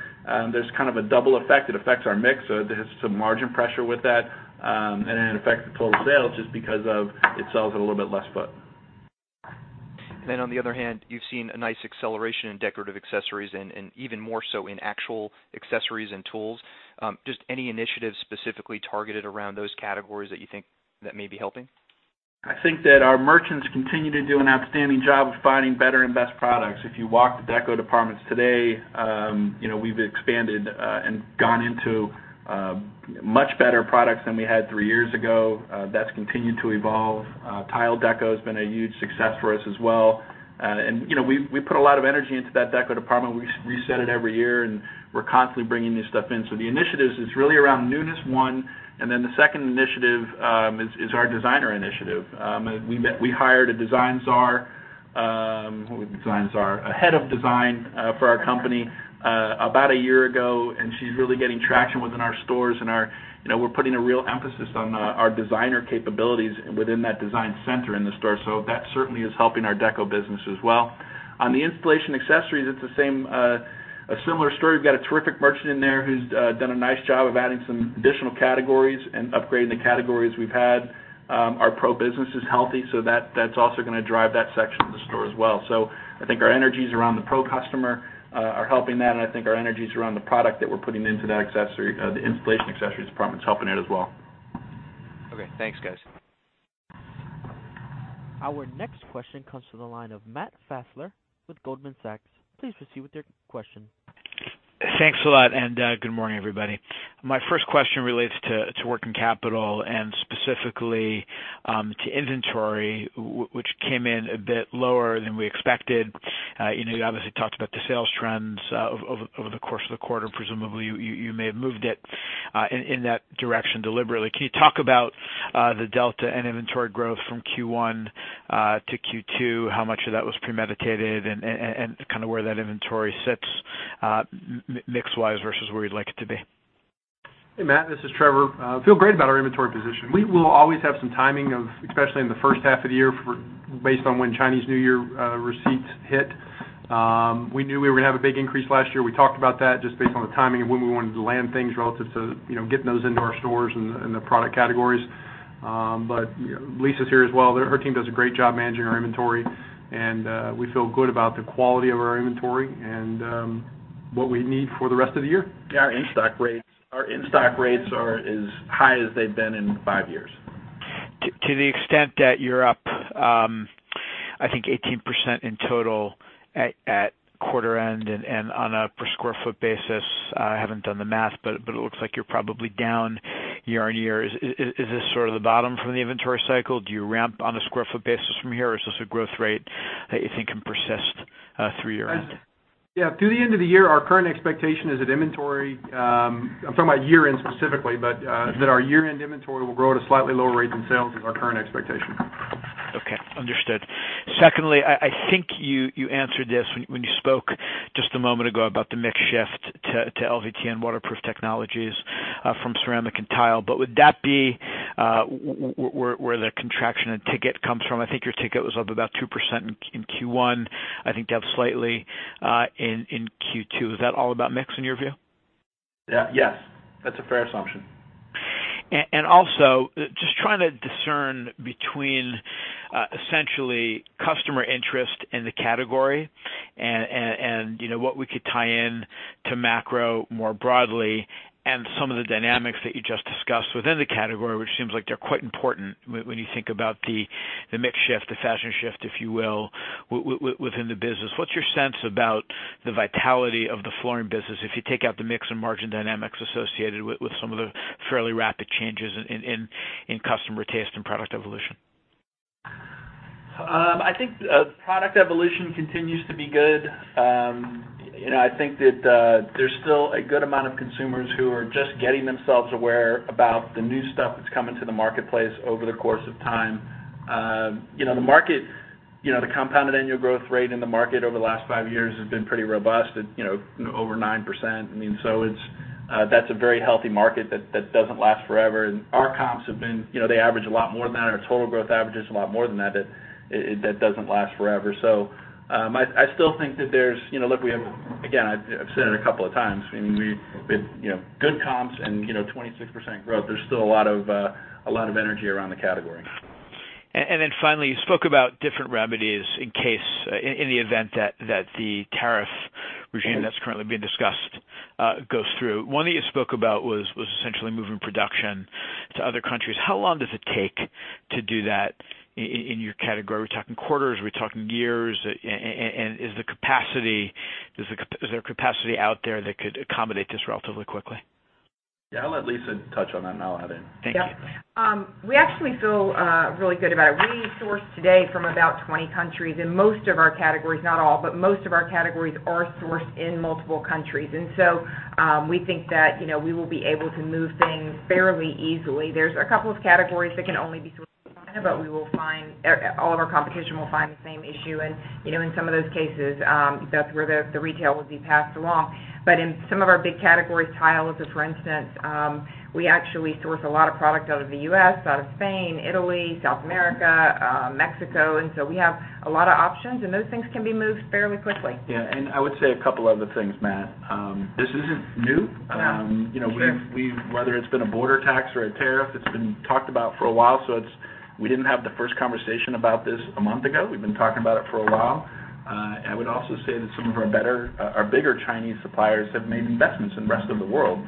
there's kind of a double effect. It affects our mix, so there's some margin pressure with that, and it affects the total sales just because it sells at a little bit less foot. On the other hand, you've seen a nice acceleration in decorative accessories and even more so in actual accessories and tools. Just any initiatives specifically targeted around those categories that you think that may be helping? I think that our merchants continue to do an outstanding job of finding better and best products. If you walk the deco departments today, we've expanded and gone into much better products than we had three years ago. That's continued to evolve. Tile deco's been a huge success for us as well. We put a lot of energy into that deco department. We reset it every year, and we're constantly bringing new stuff in. The initiatives is really around newness, one, and then the second initiative is our designer initiative. We hired a head of design for our company about a year ago, and she's really getting traction within our stores, and we're putting a real emphasis on our designer capabilities within that design center in the store. That certainly is helping our deco business as well. On the installation accessories, it's a similar story. We've got a terrific merchant in there who's done a nice job of adding some additional categories and upgrading the categories we've had. Our pro business is healthy, so that's also gonna drive that section of the store as well. I think our energies around the pro customer are helping that, and I think our energies around the product that we're putting into the installation accessories department's helping it as well. Okay, thanks, guys. Our next question comes from the line of Matt Fassler with Goldman Sachs. Please proceed with your question. Thanks a lot. Good morning, everybody. My first question relates to working capital and specifically, to inventory, which came in a bit lower than we expected. You obviously talked about the sales trends over the course of the quarter. Presumably, you may have moved it in that direction deliberately. Can you talk about the delta and inventory growth from Q1 to Q2, how much of that was premeditated, and where that inventory sits mix-wise versus where you'd like it to be? Hey, Matt, this is Trevor. Feel great about our inventory position. We will always have some timing of, especially in the first half of the year based on when Chinese New Year receipts hit. We knew we were going to have a big increase last year. We talked about that just based on the timing of when we wanted to land things relative to getting those into our stores and the product categories. Lisa's here as well. Her team does a great job managing our inventory, and we feel good about the quality of our inventory and what we need for the rest of the year. Yeah, our in-stock rates are as high as they've been in five years. To the extent that you're up, I think 18% in total at quarter end and on a per square foot basis, I haven't done the math, but it looks like you're probably down year-over-year. Is this sort of the bottom from the inventory cycle? Do you ramp on a square foot basis from here, or is this a growth rate that you think can persist through year-end? Yeah. Through the end of the year, our current expectation is that inventory, I'm talking about year-end specifically, but that our year-end inventory will grow at a slightly lower rate than sales is our current expectation. Okay. Understood. Secondly, I think you answered this when you spoke just a moment ago about the mix shift to LVT and waterproof technologies from ceramic and tile, would that be where the contraction in ticket comes from? I think your ticket was up about 2% in Q1, I think down slightly in Q2. Is that all about mix in your view? Yes. That's a fair assumption. Also just trying to discern between essentially customer interest in the category and what we could tie in to macro more broadly and some of the dynamics that you just discussed within the category, which seems like they're quite important when you think about the mix shift, the fashion shift, if you will, within the business. What's your sense about the vitality of the flooring business if you take out the mix and margin dynamics associated with some of the fairly rapid changes in customer taste and product evolution? I think product evolution continues to be good. I think that there's still a good amount of consumers who are just getting themselves aware about the new stuff that's coming to the marketplace over the course of time. The compounded annual growth rate in the market over the last five years has been pretty robust at over 9%. That's a very healthy market that doesn't last forever. Our comps, they average a lot more than that, and our total growth average is a lot more than that, but that doesn't last forever. I still think that. Look, again, I've said it a couple of times, with good comps and 26% growth, there's still a lot of energy around the category. Finally, you spoke about different remedies in the event that the tariff regime that's currently being discussed goes through. One that you spoke about was essentially moving production to other countries. How long does it take to do that in your category? Are we talking quarters? Are we talking years? Is there capacity out there that could accommodate this relatively quickly? Yeah, I'll let Lisa touch on that, and I'll add in. Thank you. Yep. We actually feel really good about it. We source today from about 20 countries, most of our categories, not all, but most of our categories are sourced in multiple countries. We think that we will be able to move things fairly easily. There's a couple of categories that can only be sourced from China, but all of our competition will find the same issue. In some of those cases, that's where the retail would be passed along. In some of our big categories, tiles as a for instance, we actually source a lot of product out of the U.S., out of Spain, Italy, South America, Mexico. We have a lot of options, and those things can be moved fairly quickly. Yeah, I would say a couple other things, Matt. This isn't new. No, sure. Whether it's been a border tax or a tariff, it's been talked about for a while. We didn't have the first conversation about this a month ago. We've been talking about it for a while. I would also say that some of our bigger Chinese suppliers have made investments in the rest of the world.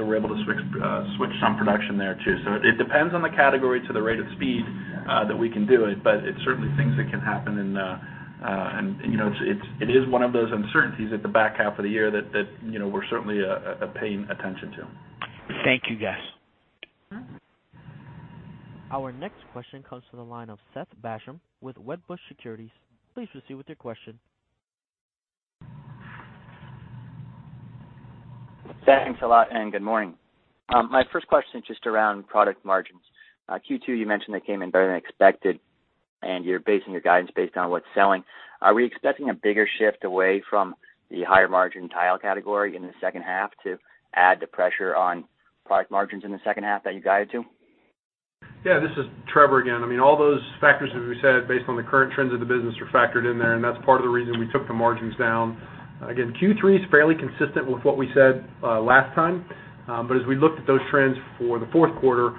We're able to switch some production there too. It depends on the category to the rate of speed that we can do it. It's certainly things that can happen, and it is one of those uncertainties at the back half of the year that we're certainly paying attention to. Thank you, guys. Our next question comes from the line of Seth Basham with Wedbush Securities. Please proceed with your question. Thanks a lot, and good morning. My first question is just around product margins. Q2, you mentioned they came in better than expected, and you're basing your guidance based on what's selling. Are we expecting a bigger shift away from the higher-margin tile category in the second half to add the pressure on product margins in the second half that you guided to? Yeah, this is Trevor again. All those factors, as we said, based on the current trends of the business, are factored in there, and that's part of the reason we took the margins down. Again, Q3 is fairly consistent with what we said last time. As we looked at those trends for the fourth quarter,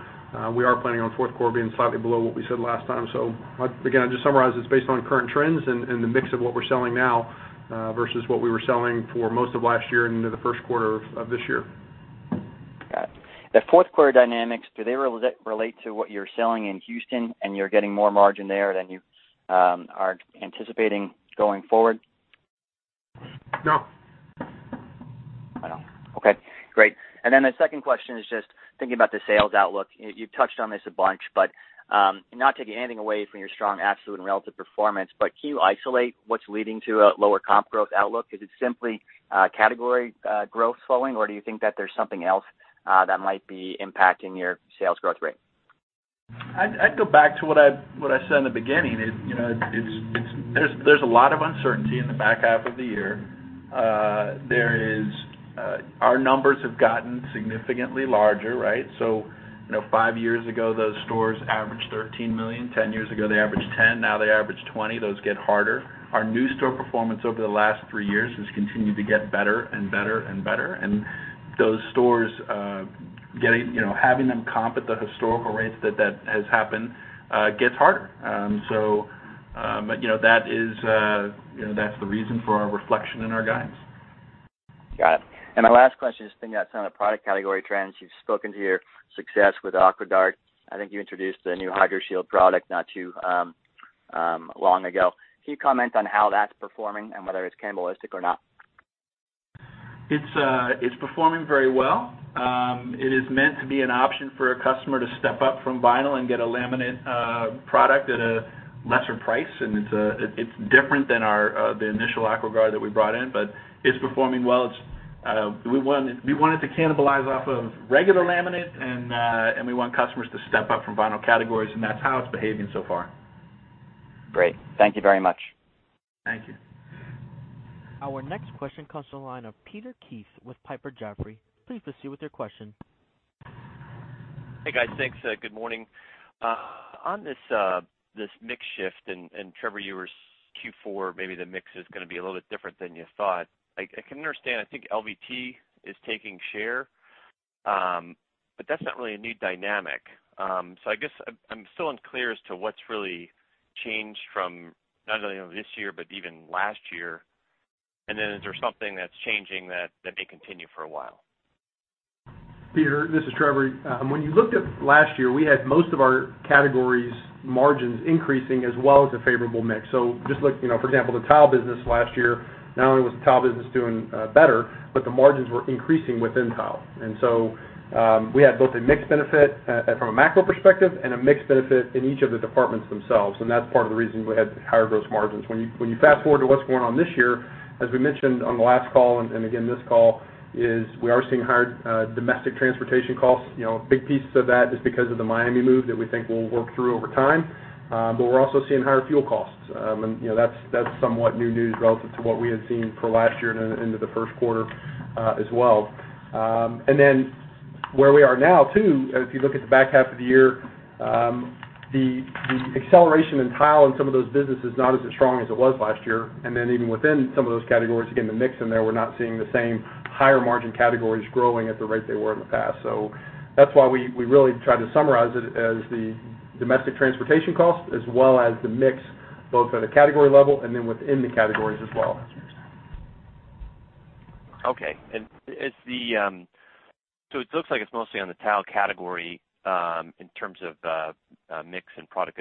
we are planning on fourth quarter being slightly below what we said last time. Again, I'll just summarize, it's based on current trends and the mix of what we're selling now versus what we were selling for most of last year and into the first quarter of this year. Got it. The fourth quarter dynamics, do they relate to what you're selling in Houston and you're getting more margin there than you are anticipating going forward? No. Okay, great. The second question is just thinking about the sales outlook. You've touched on this a bunch, but not taking anything away from your strong absolute and relative performance, but can you isolate what's leading to a lower comp growth outlook? Is it simply category growth slowing, or do you think that there's something else that might be impacting your sales growth rate? I'd go back to what I said in the beginning. There's a lot of uncertainty in the back half of the year. Our numbers have gotten significantly larger, right? Five years ago, those stores averaged $13 million. 10 years ago, they averaged $10 million. Now they average $20 million. Those get harder. Our new store performance over the last three years has continued to get better and better and better. Those stores, having them comp at the historical rates that has happened, gets harder. That's the reason for our reflection in our guidance. Got it. My last question is thinking about some of the product category trends. You've spoken to your success with AquaGuard. I think you introduced the new HydroShield product not too long ago. Can you comment on how that's performing and whether it's cannibalistic or not? It's performing very well. It is meant to be an option for a customer to step up from vinyl and get a laminate product at a lesser price. It's different than the initial AquaGuard that we brought in, but it's performing well. We want it to cannibalize off of regular laminate, and we want customers to step up from vinyl categories, and that's how it's behaving so far. Great. Thank you very much. Thank you. Our next question comes from the line of Peter Keith with Piper Jaffray. Please proceed with your question. Hey, guys. Thanks. Good morning. On this mix shift, Trevor, you were Q4, maybe the mix is going to be a little bit different than you thought. I can understand, I think LVT is taking share, that's not really a new dynamic. I guess I'm still unclear as to what's really changed from not only this year, even last year. Is there something that's changing that may continue for a while? Peter, this is Trevor. When you looked at last year, we had most of our categories margins increasing as well as a favorable mix. Just look, for example, the tile business last year, not only was the tile business doing better, the margins were increasing within tile. We had both a mix benefit from a macro perspective and a mix benefit in each of the departments themselves, that's part of the reason we had higher gross margins. When you fast-forward to what's going on this year, as we mentioned on the last call, again, this call, is we are seeing higher domestic transportation costs. A big piece of that is because of the Miami move that we think we'll work through over time. We're also seeing higher fuel costs. That's somewhat new news relative to what we had seen for last year and into the first quarter as well. Where we are now too, if you look at the back half of the year, the acceleration in tile in some of those businesses, not as strong as it was last year. Even within some of those categories, again, the mix in there, we're not seeing the same higher margin categories growing at the rate they were in the past. That's why we really try to summarize it as the domestic transportation cost as well as the mix, both at a category level and then within the categories as well. It looks like it's mostly on the tile category, in terms of the mix and product.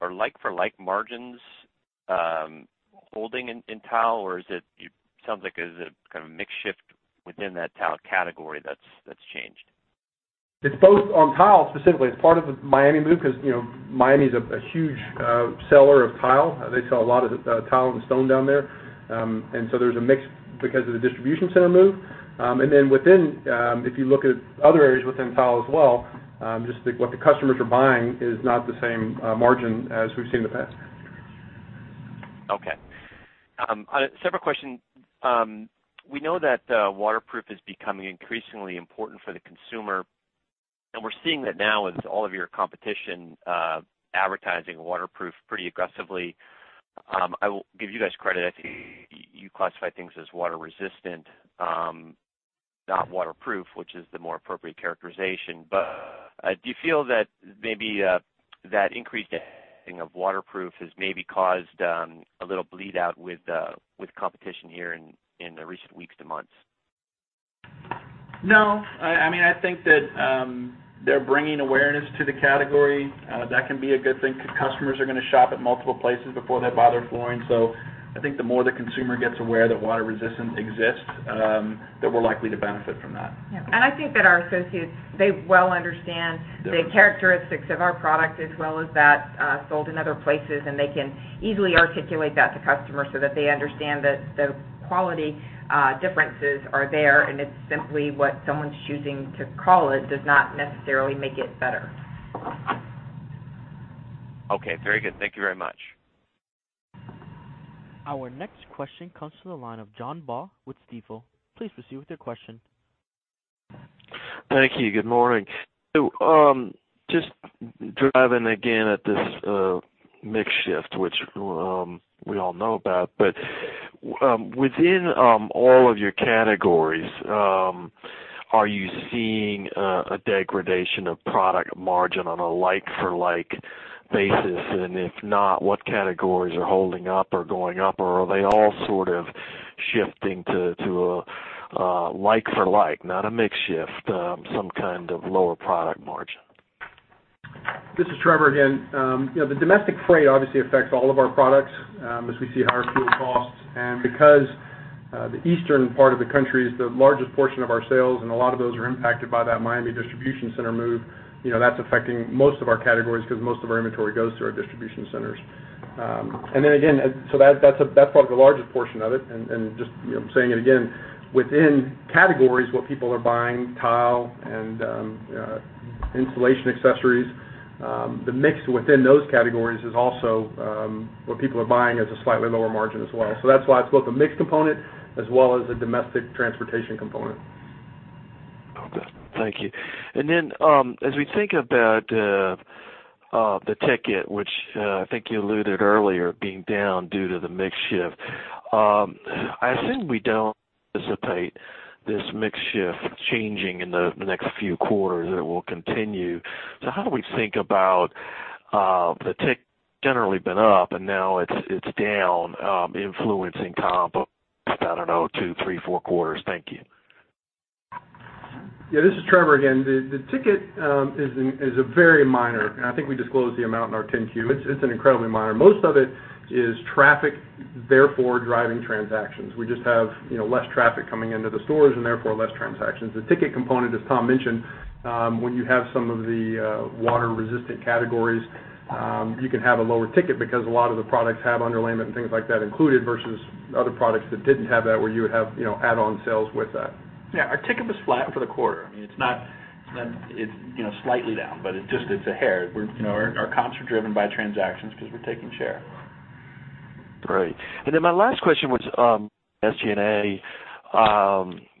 Are like-for-like margins holding in tile, or it sounds like there's a kind of mix shift within that tile category that's changed? It's both on tile, specifically. It's part of the Miami move because Miami's a huge seller of tile. They sell a lot of tile and stone down there. There's a mix because of the distribution center move. Within, if you look at other areas within tile as well, just what the customers are buying is not the same margin as we've seen in the past. Okay. On a separate question. We know that waterproof is becoming increasingly important for the consumer, and we're seeing that now as all of your competition advertising waterproof pretty aggressively. I will give you guys credit. I think you classify things as water-resistant, not waterproof, which is the more appropriate characterization. Do you feel that maybe that increasing of waterproof has maybe caused a little bleed out with competition here in the recent weeks to months? No. I think that they're bringing awareness to the category. That can be a good thing because customers are going to shop at multiple places before they buy their flooring. I think the more the consumer gets aware that water resistance exists, that we're likely to benefit from that. Yeah. I think that our associates, they well understand the characteristics of our product as well as that sold in other places, and they can easily articulate that to customers so that they understand that the quality differences are there, and it's simply what someone's choosing to call it does not necessarily make it better. Okay. Very good. Thank you very much. Our next question comes from the line of John Baugh with Stifel. Please proceed with your question. Thank you. Good morning. Just driving again at this mix shift, which we all know about, but within all of your categories, are you seeing a degradation of product margin on a like-for-like basis? If not, what categories are holding up or going up, or are they all sort of shifting to a like-for-like, not a mix shift, some kind of lower product margin? This is Trevor again. The domestic freight obviously affects all of our products, as we see higher fuel costs. Because the eastern part of the country is the largest portion of our sales, and a lot of those are impacted by that Miami distribution center move, that's affecting most of our categories because most of our inventory goes through our distribution centers. That's probably the largest portion of it. Just saying it again, within categories, what people are buying, tile and installation accessories, the mix within those categories is also, what people are buying, has a slightly lower margin as well. That's why it's both a mix component as well as a domestic transportation component. Okay. Thank you. As we think about the ticket, which I think you alluded earlier, being down due to the mix shift, I assume we don't anticipate this mix shift changing in the next few quarters and it will continue. How do we think about, the tick generally been up and now it's down, influencing comp, I don't know, two, three, four quarters. Thank you. Yeah. This is Trevor again. The ticket is a very minor, and I think we disclosed the amount in our 10-Q. It's incredibly minor. Most of it is traffic, therefore driving transactions. We just have less traffic coming into the stores and therefore less transactions. The ticket component, as Tom mentioned, when you have some of the water-resistant categories, you can have a lower ticket because a lot of the products have underlayment and things like that included versus other products that didn't have that, where you would have add-on sales with that. Yeah. Our ticket was flat for the quarter. It's slightly down, but it's a hair. Our comps are driven by transactions because we're taking share. My last question was, SG&A,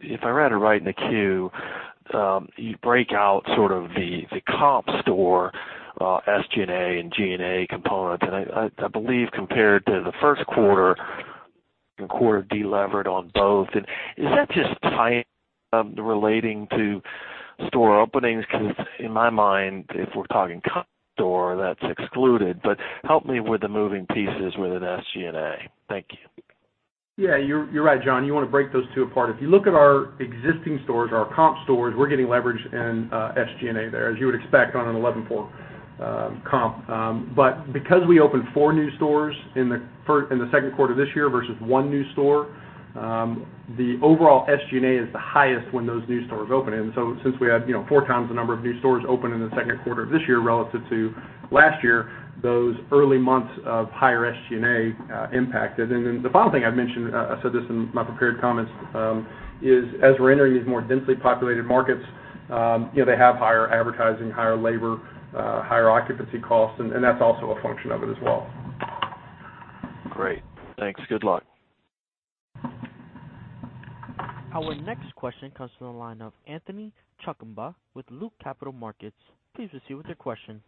if I read it right in the Q. You break out sort of the comp store, SG&A and G&A components, and I believe compared to the first quarter, the quarter de-levered on both. Is that just timing relating to store openings? Because in my mind, if we're talking comp store, that's excluded. Help me with the moving pieces within SG&A. Thank you. Yeah, you're right, John. You want to break those two apart. If you look at our existing stores, our comp stores, we're getting leverage in SG&A there, as you would expect on an 11-four comp. Because we opened four new stores in the second quarter of this year versus one new store, the overall SG&A is the highest when those new stores open. Since we had four times the number of new stores open in the second quarter of this year relative to last year, those early months of higher SG&A impacted. The final thing I'd mention, I said this in my prepared comments, is as we're entering these more densely populated markets, they have higher advertising, higher labor, higher occupancy costs, and that's also a function of it as well. Great. Thanks. Good luck. Our next question comes from the line of Anthony Chukumba with Loop Capital Markets. Please proceed with your question.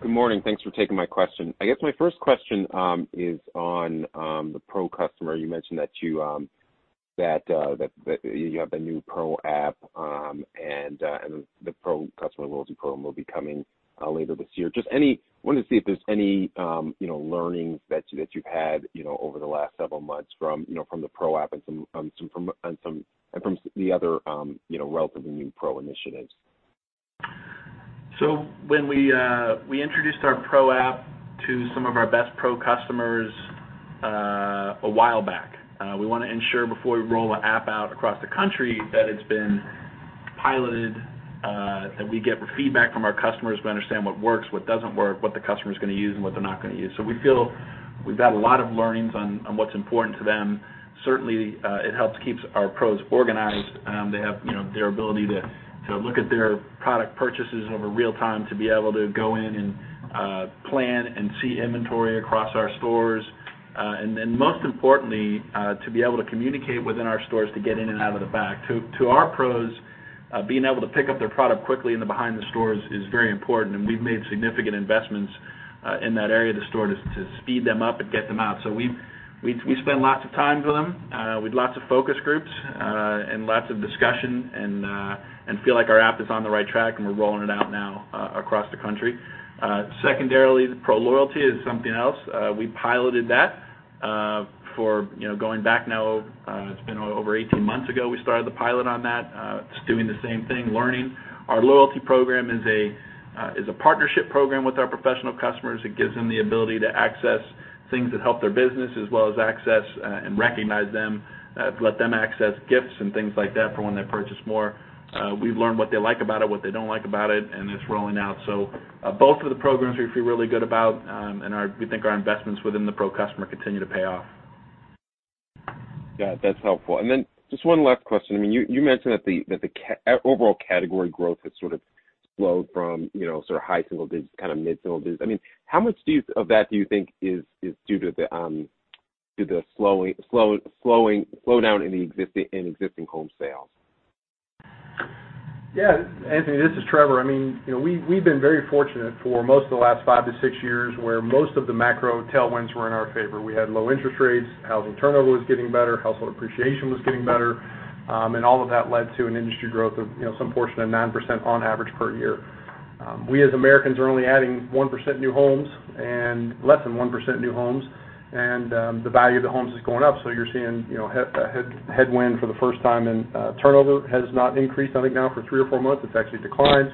Good morning. Thanks for taking my question. I guess my first question is on the Pro customer. You mentioned that you have the new Pro App, and the Pro Customer Loyalty Program will be coming later this year. Just wanted to see if there's any learnings that you've had over the last several months from the Pro App and from the other relatively new Pro Initiatives. When we introduced our Pro App to some of our best Pro customers a while back, we want to ensure before we roll an app out across the country that it's been piloted, that we get feedback from our customers, we understand what works, what doesn't work, what the customer's going to use, and what they're not going to use. We feel we've got a lot of learnings on what's important to them. Certainly, it helps keeps our Pros organized. They have their ability to look at their product purchases over real time to be able to go in and plan and see inventory across our stores. Most importantly, to be able to communicate within our stores to get in and out of the back. To our Pros, being able to pick up their product quickly in the behind the stores is very important, and we've made significant investments in that area of the store to speed them up and get them out. We've spent lots of time with them, with lots of focus groups, and lots of discussion, and feel like our App is on the right track and we're rolling it out now across the country. Secondarily, the Pro Loyalty is something else. We piloted that for going back now, it's been over 18 months ago, we started the pilot on that. It's doing the same thing, learning. Our Loyalty Program is a partnership program with our professional customers. It gives them the ability to access things that help their business as well as access and recognize them, let them access gifts and things like that for when they purchase more. We've learned what they like about it, what they don't like about it, and it's rolling out. Both of the programs we feel really good about, and we think our investments within the Pro customer continue to pay off. Got it. That's helpful. Then just one last question. You mentioned that the overall category growth has sort of slowed from sort of high single digits, kind of mid-single digits. How much of that do you think is due to the slowdown in existing home sales? Yeah. Anthony, this is Trevor. We've been very fortunate for most of the last five to six years where most of the macro tailwinds were in our favor. We had low interest rates, housing turnover was getting better, household appreciation was getting better, all of that led to an industry growth of some portion of 9% on average per year. We, as Americans, are only adding 1% new homes and less than 1% new homes, the value of the homes is going up, so you're seeing a headwind for the first time, turnover has not increased, I think now for three or four months. It's actually declined.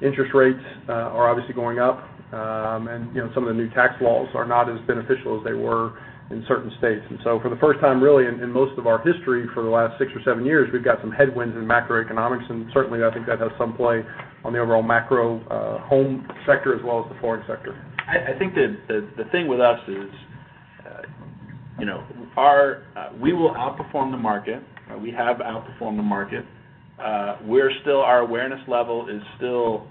Interest rates are obviously going up. Some of the new tax laws are not as beneficial as they were in certain states. For the first time, really, in most of our history for the last six or seven years, we've got some headwinds in macroeconomics, certainly, I think that has some play on the overall macro home sector as well as the flooring sector. I think the thing with us is we will outperform the market. We have outperformed the market. Our awareness level is still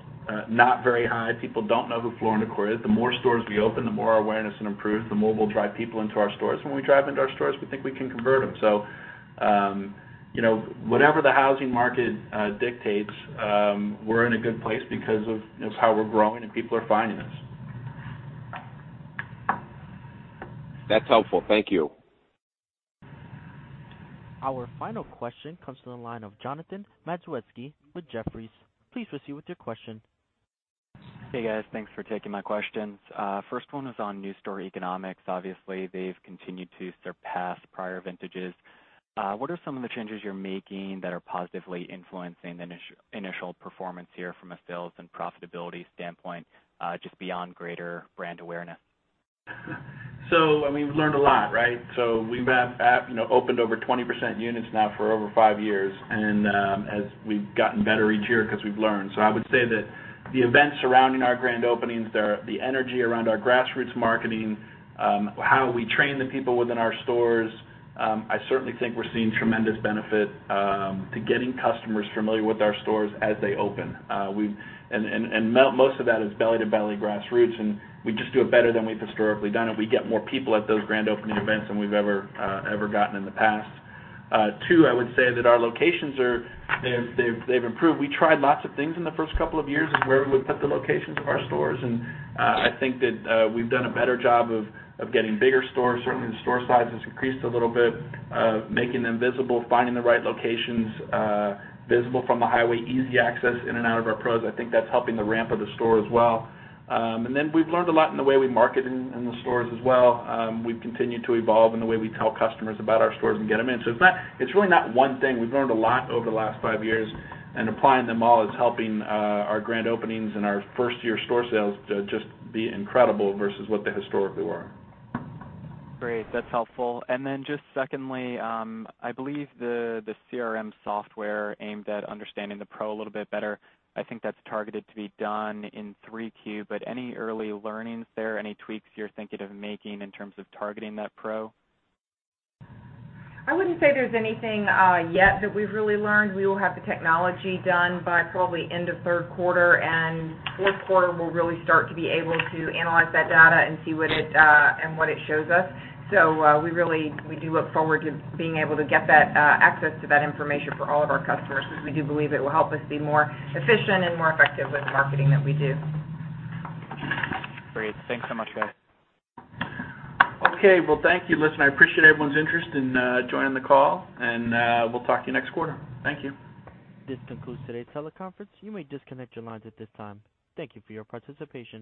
not very high. People don't know who Floor & Decor is. The more stores we open, the more our awareness improves, the more we'll drive people into our stores. When we drive into our stores, we think we can convert them. Whatever the housing market dictates, we're in a good place because of how we're growing and people are finding us. That's helpful. Thank you. Our final question comes from the line of Jonathan Matuszewski with Jefferies. Please proceed with your question. Hey, guys. Thanks for taking my questions. First one is on new store economics. Obviously, they've continued to surpass prior vintages. What are some of the changes you're making that are positively influencing the initial performance here from a sales and profitability standpoint, just beyond greater brand awareness? We've learned a lot, right? We've opened over 20% units now for over five years, and as we've gotten better each year because we've learned. I would say that the events surrounding our grand openings, the energy around our grassroots marketing, how we train the people within our stores, I certainly think we're seeing tremendous benefit to getting customers familiar with our stores as they open. Most of that is belly-to-belly grassroots, and we just do it better than we've historically done, and we get more people at those grand opening events than we've ever gotten in the past. Two, I would say that our locations, they've improved. We tried lots of things in the first couple of years of where we put the locations of our stores, and I think that we've done a better job of getting bigger stores. Certainly, the store size has increased a little bit, making them visible, finding the right locations, visible from the highway, easy access in and out of our Pros. I think that's helping the ramp of the store as well. Then we've learned a lot in the way we market in the stores as well. We've continued to evolve in the way we tell customers about our stores and get them in. It's really not one thing. We've learned a lot over the last five years, and applying them all is helping our grand openings and our first-year store sales to just be incredible versus what they historically were. Great. That's helpful. Just secondly, I believe the CRM software aimed at understanding the Pro a little bit better, I think that's targeted to be done in 3Q, but any early learnings there, any tweaks you're thinking of making in terms of targeting that Pro? I wouldn't say there's anything yet that we've really learned. We will have the technology done by probably end of third quarter, and fourth quarter, we'll really start to be able to analyze that data and see what it shows us. We do look forward to being able to get that access to that information for all of our customers because we do believe it will help us be more efficient and more effective with the marketing that we do. Great. Thanks so much, guys. Okay. Well, thank you. Listen, I appreciate everyone's interest in joining the call. We'll talk to you next quarter. Thank you. This concludes today's teleconference. You may disconnect your lines at this time. Thank you for your participation.